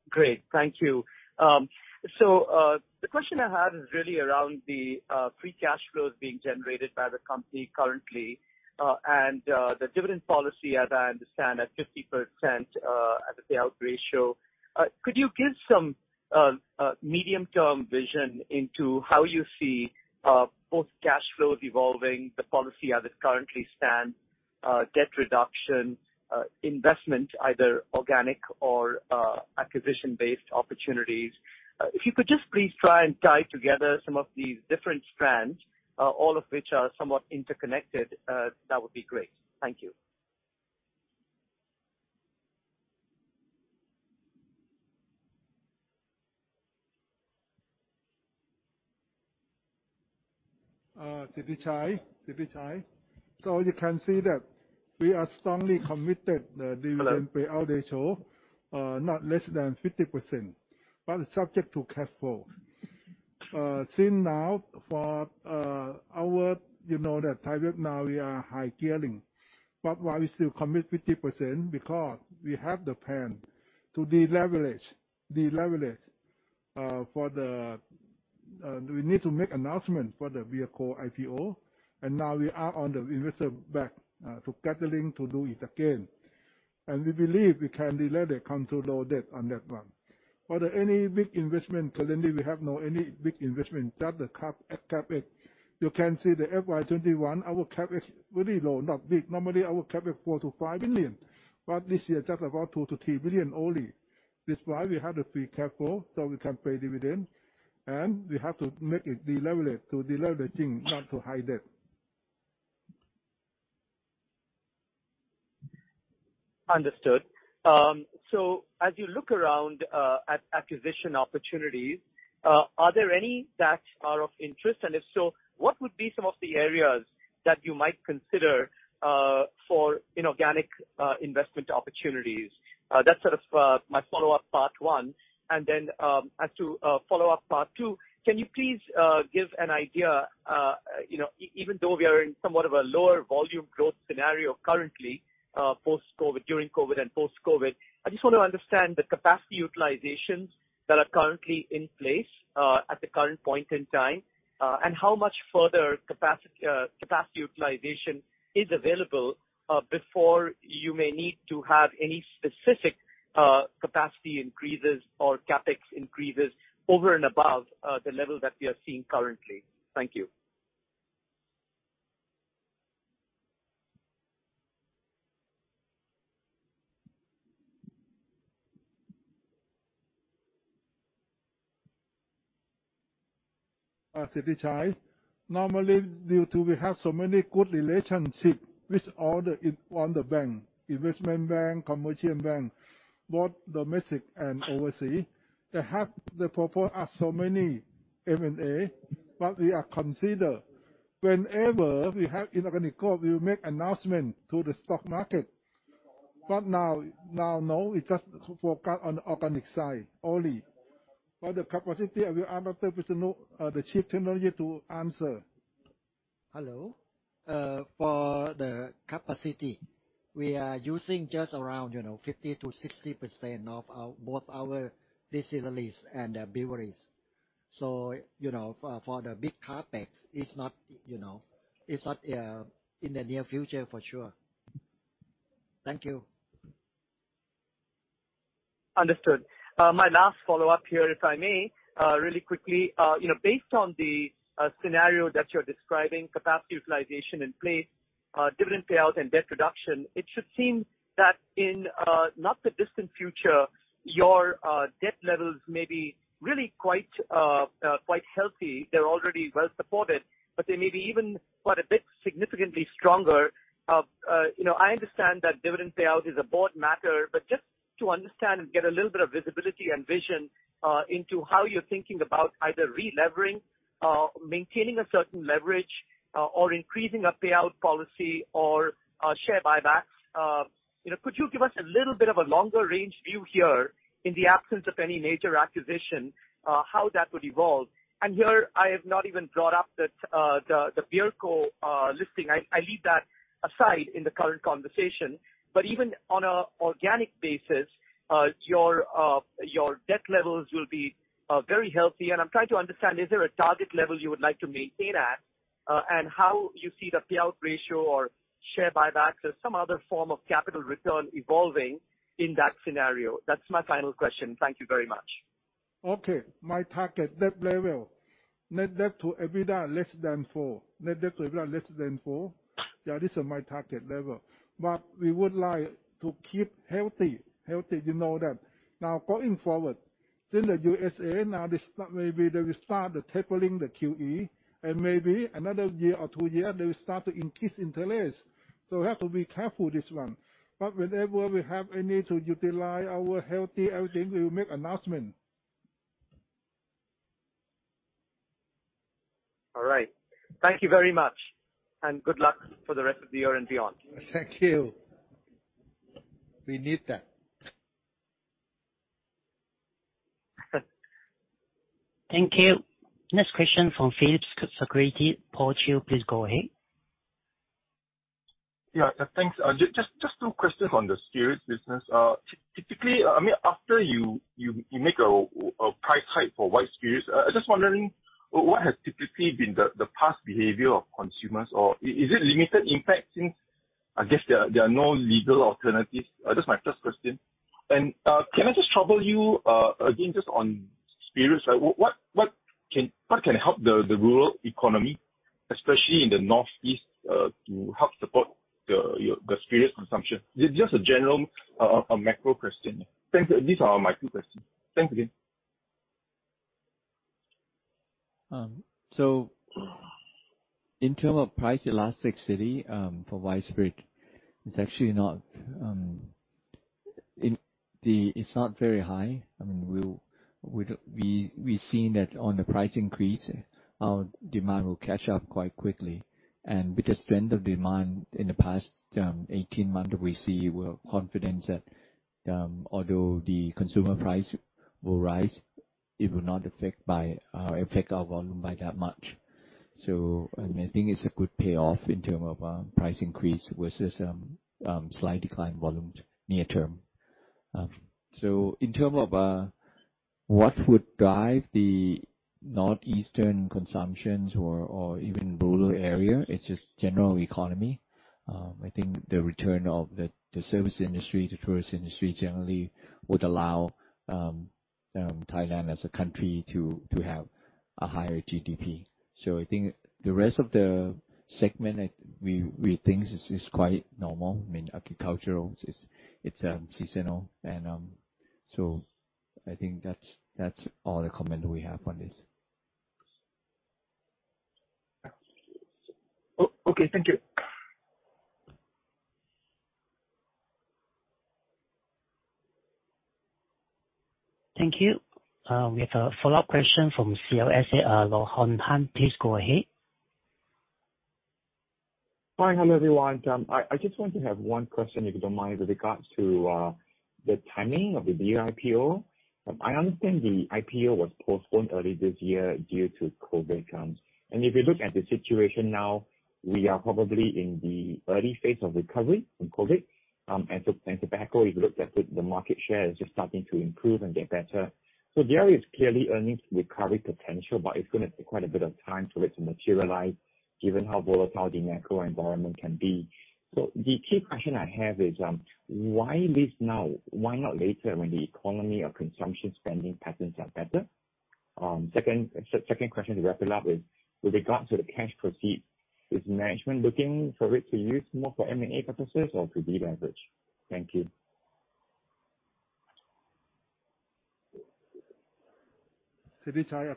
Great. Thank you. The question I have is really around the free cash flows being generated by the company currently, and the dividend policy, as I understand, at 50% as a payout ratio. Could you give some medium-term vision into how you see both cash flows evolving, the policy as it currently stands, debt reduction, investment, either organic or acquisition-based opportunities? If you could just please try and tie together some of these different strands, all of which are somewhat interconnected, that would be great. Thank you. Thepchai. You can see that we are strongly committed the- Hello. Dividend payout ratio not less than 50%, but subject to cash flow. As of now for our. You know that ThaiBev now we are high gearing. Why we still commit 50%, because we have the plan to deleverage for the we need to make announcement for the BeerCo IPO, and now we are on the investor roadshow to do it again. We believe we can delever it, come to low debt on that one. For any big investment, currently we have no any big investment, just CapEx. You can see the FY 2021, our CapEx really low, not big. Normally, our CapEx 4 billion-5 billion, but this year just about 2 billion-3 billion only. That's why we have the free cash flow, so we can pay dividends, and we have to make it deleverage, not too high debt. Understood. So as you look around at acquisition opportunities, are there any that are of interest? If so, what would be some of the areas that you might consider for inorganic investment opportunities? That's sort of my follow-up part one. As to follow-up part two, can you please give an idea, you know, even though we are in somewhat of a lower volume growth scenario currently, post-COVID, during COVID and post-COVID, I just want to understand the capacity utilizations that are currently in place at the current point in time, and how much further capacity utilization is available before you may need to have any specific capacity increases or CapEx increases over and above the level that we are seeing currently. Thank you. Thepchai. Normally, due to we have so many good relationship with all the bank, investment bank, commercial bank, both domestic and overseas, they propose us so many M&A, but we are consider. Whenever we have inorganic growth, we will make announcement to the stock market. Now no, we just focus on organic side only. For the capacity, I will ask Dr. Pisanu, the chief technology to answer. Hello. For the capacity, we are using just around 50%-60% of our both our distilleries and the breweries. For the big CapEx, it's not in the near future for sure. Thank you. Understood. My last follow-up here, if I may, really quickly. You know, based on the scenario that you're describing, capacity utilization in place, dividend payout and debt reduction, it should seem that in not the distant future, your debt levels may be really quite healthy. They're already well-supported, but they may be even quite a bit significantly stronger. You know, I understand that dividend payout is a board matter, but just to understand and get a little bit of visibility and vision into how you're thinking about either relevering, maintaining a certain leverage, or increasing a payout policy or share buybacks. You know, could you give us a little bit of a longer range view here in the absence of any major acquisition, how that would evolve? I have not even brought up the BeerCo listing. I leave that aside in the current conversation. Even on an organic basis, your debt levels will be very healthy. I'm trying to understand, is there a target level you would like to maintain at, and how you see the payout ratio or share buybacks or some other form of capital return evolving in that scenario? That's my final question. Thank you very much. Okay. My target debt level, net debt to EBITDA, less than four. Yeah, this is my target level. We would like to keep healthy, you know that. Going forward, since the U.S. now they start, maybe they will start the tapering the QE, and maybe another year or two year, they will start to increase interest. We have to be careful this one. Whenever we have a need to utilize our healthy everything, we will make announcement. All right. Thank you very much, and good luck for the rest of the year and beyond. Thank you. We need that. Thank you. Next question from Phillip Securities, Paul Chew, please go ahead. Yeah. Thanks. Just two questions on the spirits business. Typically, I mean, after you make a price hike for white spirits, I'm just wondering what has typically been the past behavior of consumers, or is it limited impact since I guess there are no legal alternatives? That's my first question. Can I just trouble you again, just on spirits, like what can help the rural economy, especially in the northeast, to help support the spirits consumption? Just a general Makro question. Thanks. These are my two questions. Thanks again. In terms of price elasticity for white spirit, it's actually not very high. I mean, we've seen that on the price increase, our demand will catch up quite quickly. With the strength of demand in the past 18 months, we're confident that although the consumer price will rise, it will not affect our volume by that much. I think it's a good payoff in terms of price increase versus slight decline volume near term. In terms of what would drive the northeastern consumption or even rural area, it's just general economy. I think the return of the service industry, the tourist industry generally would allow Thailand as a country to have a higher GDP. I think the rest of the segment, we think this is quite normal. I mean, agricultural, it's seasonal and, so I think that's all the comment we have on this. Okay. Thank you. Thank you. We have a follow-up question from CLSA, Hornghan Low. Please go ahead. Hi. Hello, everyone. I just want to have one question, if you don't mind, with regards to the timing of the beer IPO. I understand the IPO was postponed early this year due to COVID. If you look at the situation now, we are probably in the early phase of recovery from COVID. In tobacco, if you look at the market share is just starting to improve and get better. There is clearly earnings recovery potential, but it's gonna take quite a bit of time for it to materialize given how volatile the macro environment can be. The key question I have is, why list now? Why not later when the economy or consumption spending patterns are better? Second question to wrap it up is, with regards to the cash proceeds, is management looking for it to use more for M&A purposes or to deleverage? Thank you. We see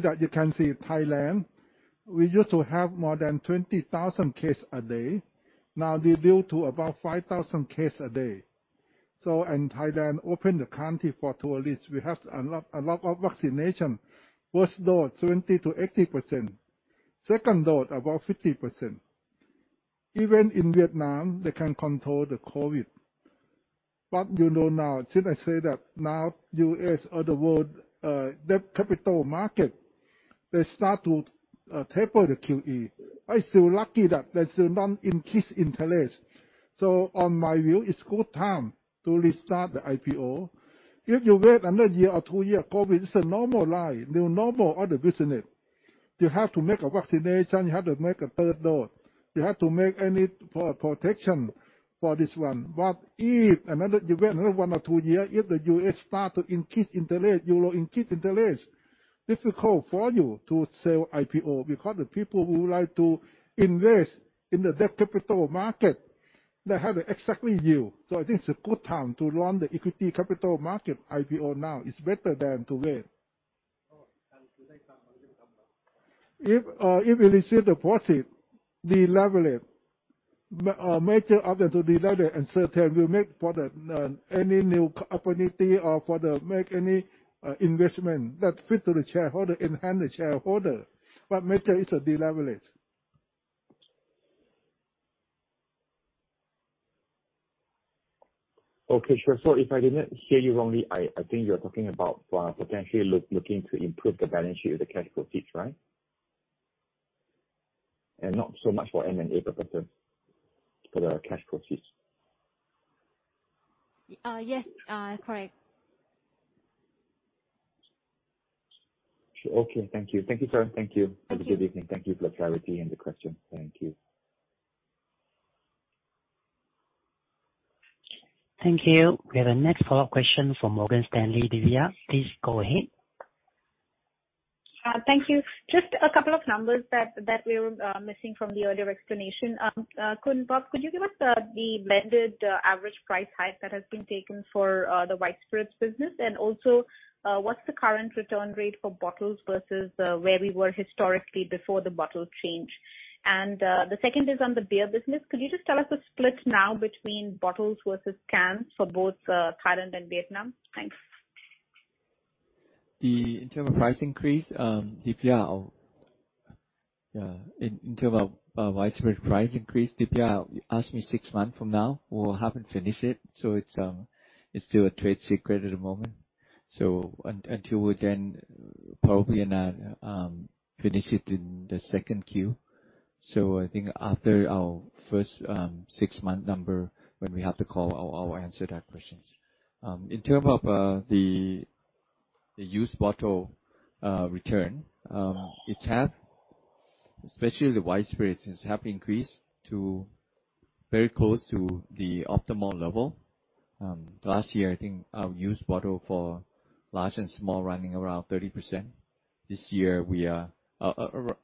that you can see Thailand. We used to have more than 20,000 cases a day. Now we're down to about 5,000 cases a day. Thailand opened the country for tourists. We have a lot of vaccinations. First dose, 70%-80%. Second dose, about 50%. Even in Vietnam, they can control the COVID. But you know now, since I say that now U.S. or the world debt capital markets, they start to taper the QE. I feel lucky that they still have not increased interest. On my view, it's a good time to restart the IPO. If you wait another year or two years, COVID is a normal life, new normal, other business. You have to get a vaccination, you have to get a third dose. You have to get any proper protection for this one. If another, you wait another one or two year, if the U.S. start to increase interest, euro increase interest. Difficult for you to sell IPO because the people who like to invest in the debt capital market. They have the exact yield. I think it's a good time to run the equity capital market IPO now. It's better than to wait. If we receive the profit, de-leverage. Main use to de-leverage, and certainly will make for any new opportunity or for making any investment that fits the shareholder, enhancing the shareholder. Major is to de-leverage. Okay, sure. If I didn't hear you wrongly, I think you're talking about potentially looking to improve the balance sheet with the cash proceeds, right? Not so much for M&A purposes, for the cash proceeds. Yes. Correct. Sure. Okay. Thank you. Thank you, sir. Thank you. Have a good evening. Thank you for the clarity in the question. Thank you. Thank you. We have a next follow-up question from Morgan Stanley, Divya. Please go ahead. Thank you. Just a couple of numbers that we're missing from the earlier explanation. Khun Prapakon, could you give us the blended average price hike that has been taken for the white spirits business? And also, what's the current return rate for bottles versus where we were historically before the bottle change? And the second is on the beer business. Could you just tell us the split now between bottles versus cans for both Thailand and Vietnam? Thanks. In terms of price increase, Divya, in terms of white spirit price increase, ask me six months from now. We haven't finished it, so it's still a trade secret at the moment until we probably finish it in the second Q. I think after our first six-month number, when we have the call, I'll answer that question. In terms of the used bottle return, it's half increased, especially the white spirits, to very close to the optimal level. Last year, I think our used bottle for large and small was running around 30%. This year we are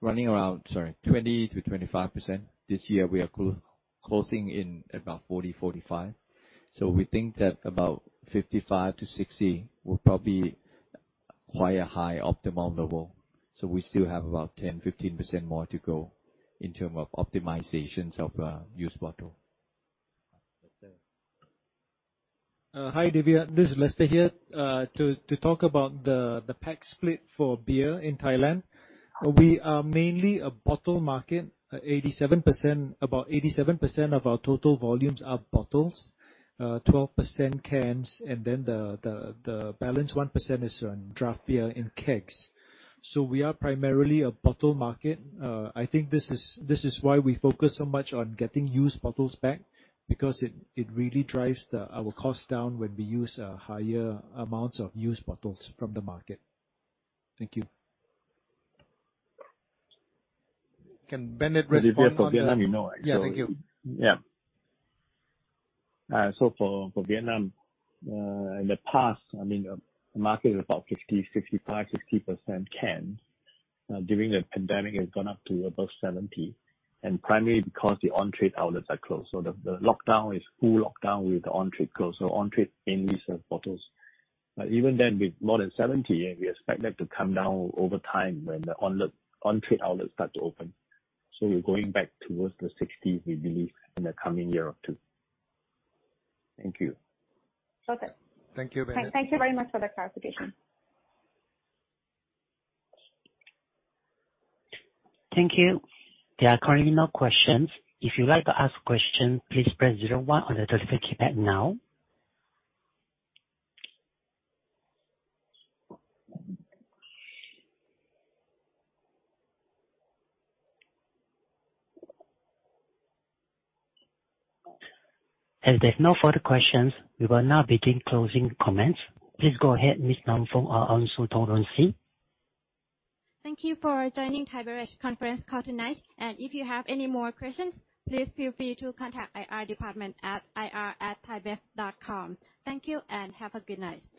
running around 20%-25%. This year we are closing in about 40%-45%. We think that about 55%-60% will probably achieve high optimal level. We still have about 10%-15% more to go in terms of optimizations of used bottle. Okay. Hi, Divya. This is Lester here. To talk about the pack split for beer in Thailand. We are mainly a bottle market. 87%, about 87% of our total volumes are bottles, 12% cans and then the balance 1% is draft beer in kegs. We are primarily a bottle market. I think this is why we focus so much on getting used bottles back, because it really drives our costs down when we use higher amounts of used bottles from the market. Thank you. Can Bennett respond on the- Divya, for Vietnam you know I- Yeah. Thank you. Yeah. For Vietnam, in the past, I mean, the market is about 50%, 55%, 60% cans. During the pandemic it's gone up to above 70%, and primarily because the on-trade outlets are closed. The lockdown is full lockdown with the on-trade closed. On-trade mainly sell bottles. Even then, with more than 70%, and we expect that to come down over time when the on-trade outlets start to open. We're going back towards the 60%, we believe, in the coming year or two. Thank you. Okay. Thank you, Bennett. Thank you very much for that clarification. Thank you. There are currently no questions. If you'd like to ask a question, please press zero one on your telephone keypad now. As there's no further questions, we will now begin closing comments. Please go ahead, Miss Namfon Aungsutornrungsi. Thank you for joining Thai Beverage conference call tonight, and if you have any more questions, please feel free to contact IR department at ir@thaibev.com. Thank you and have a good night.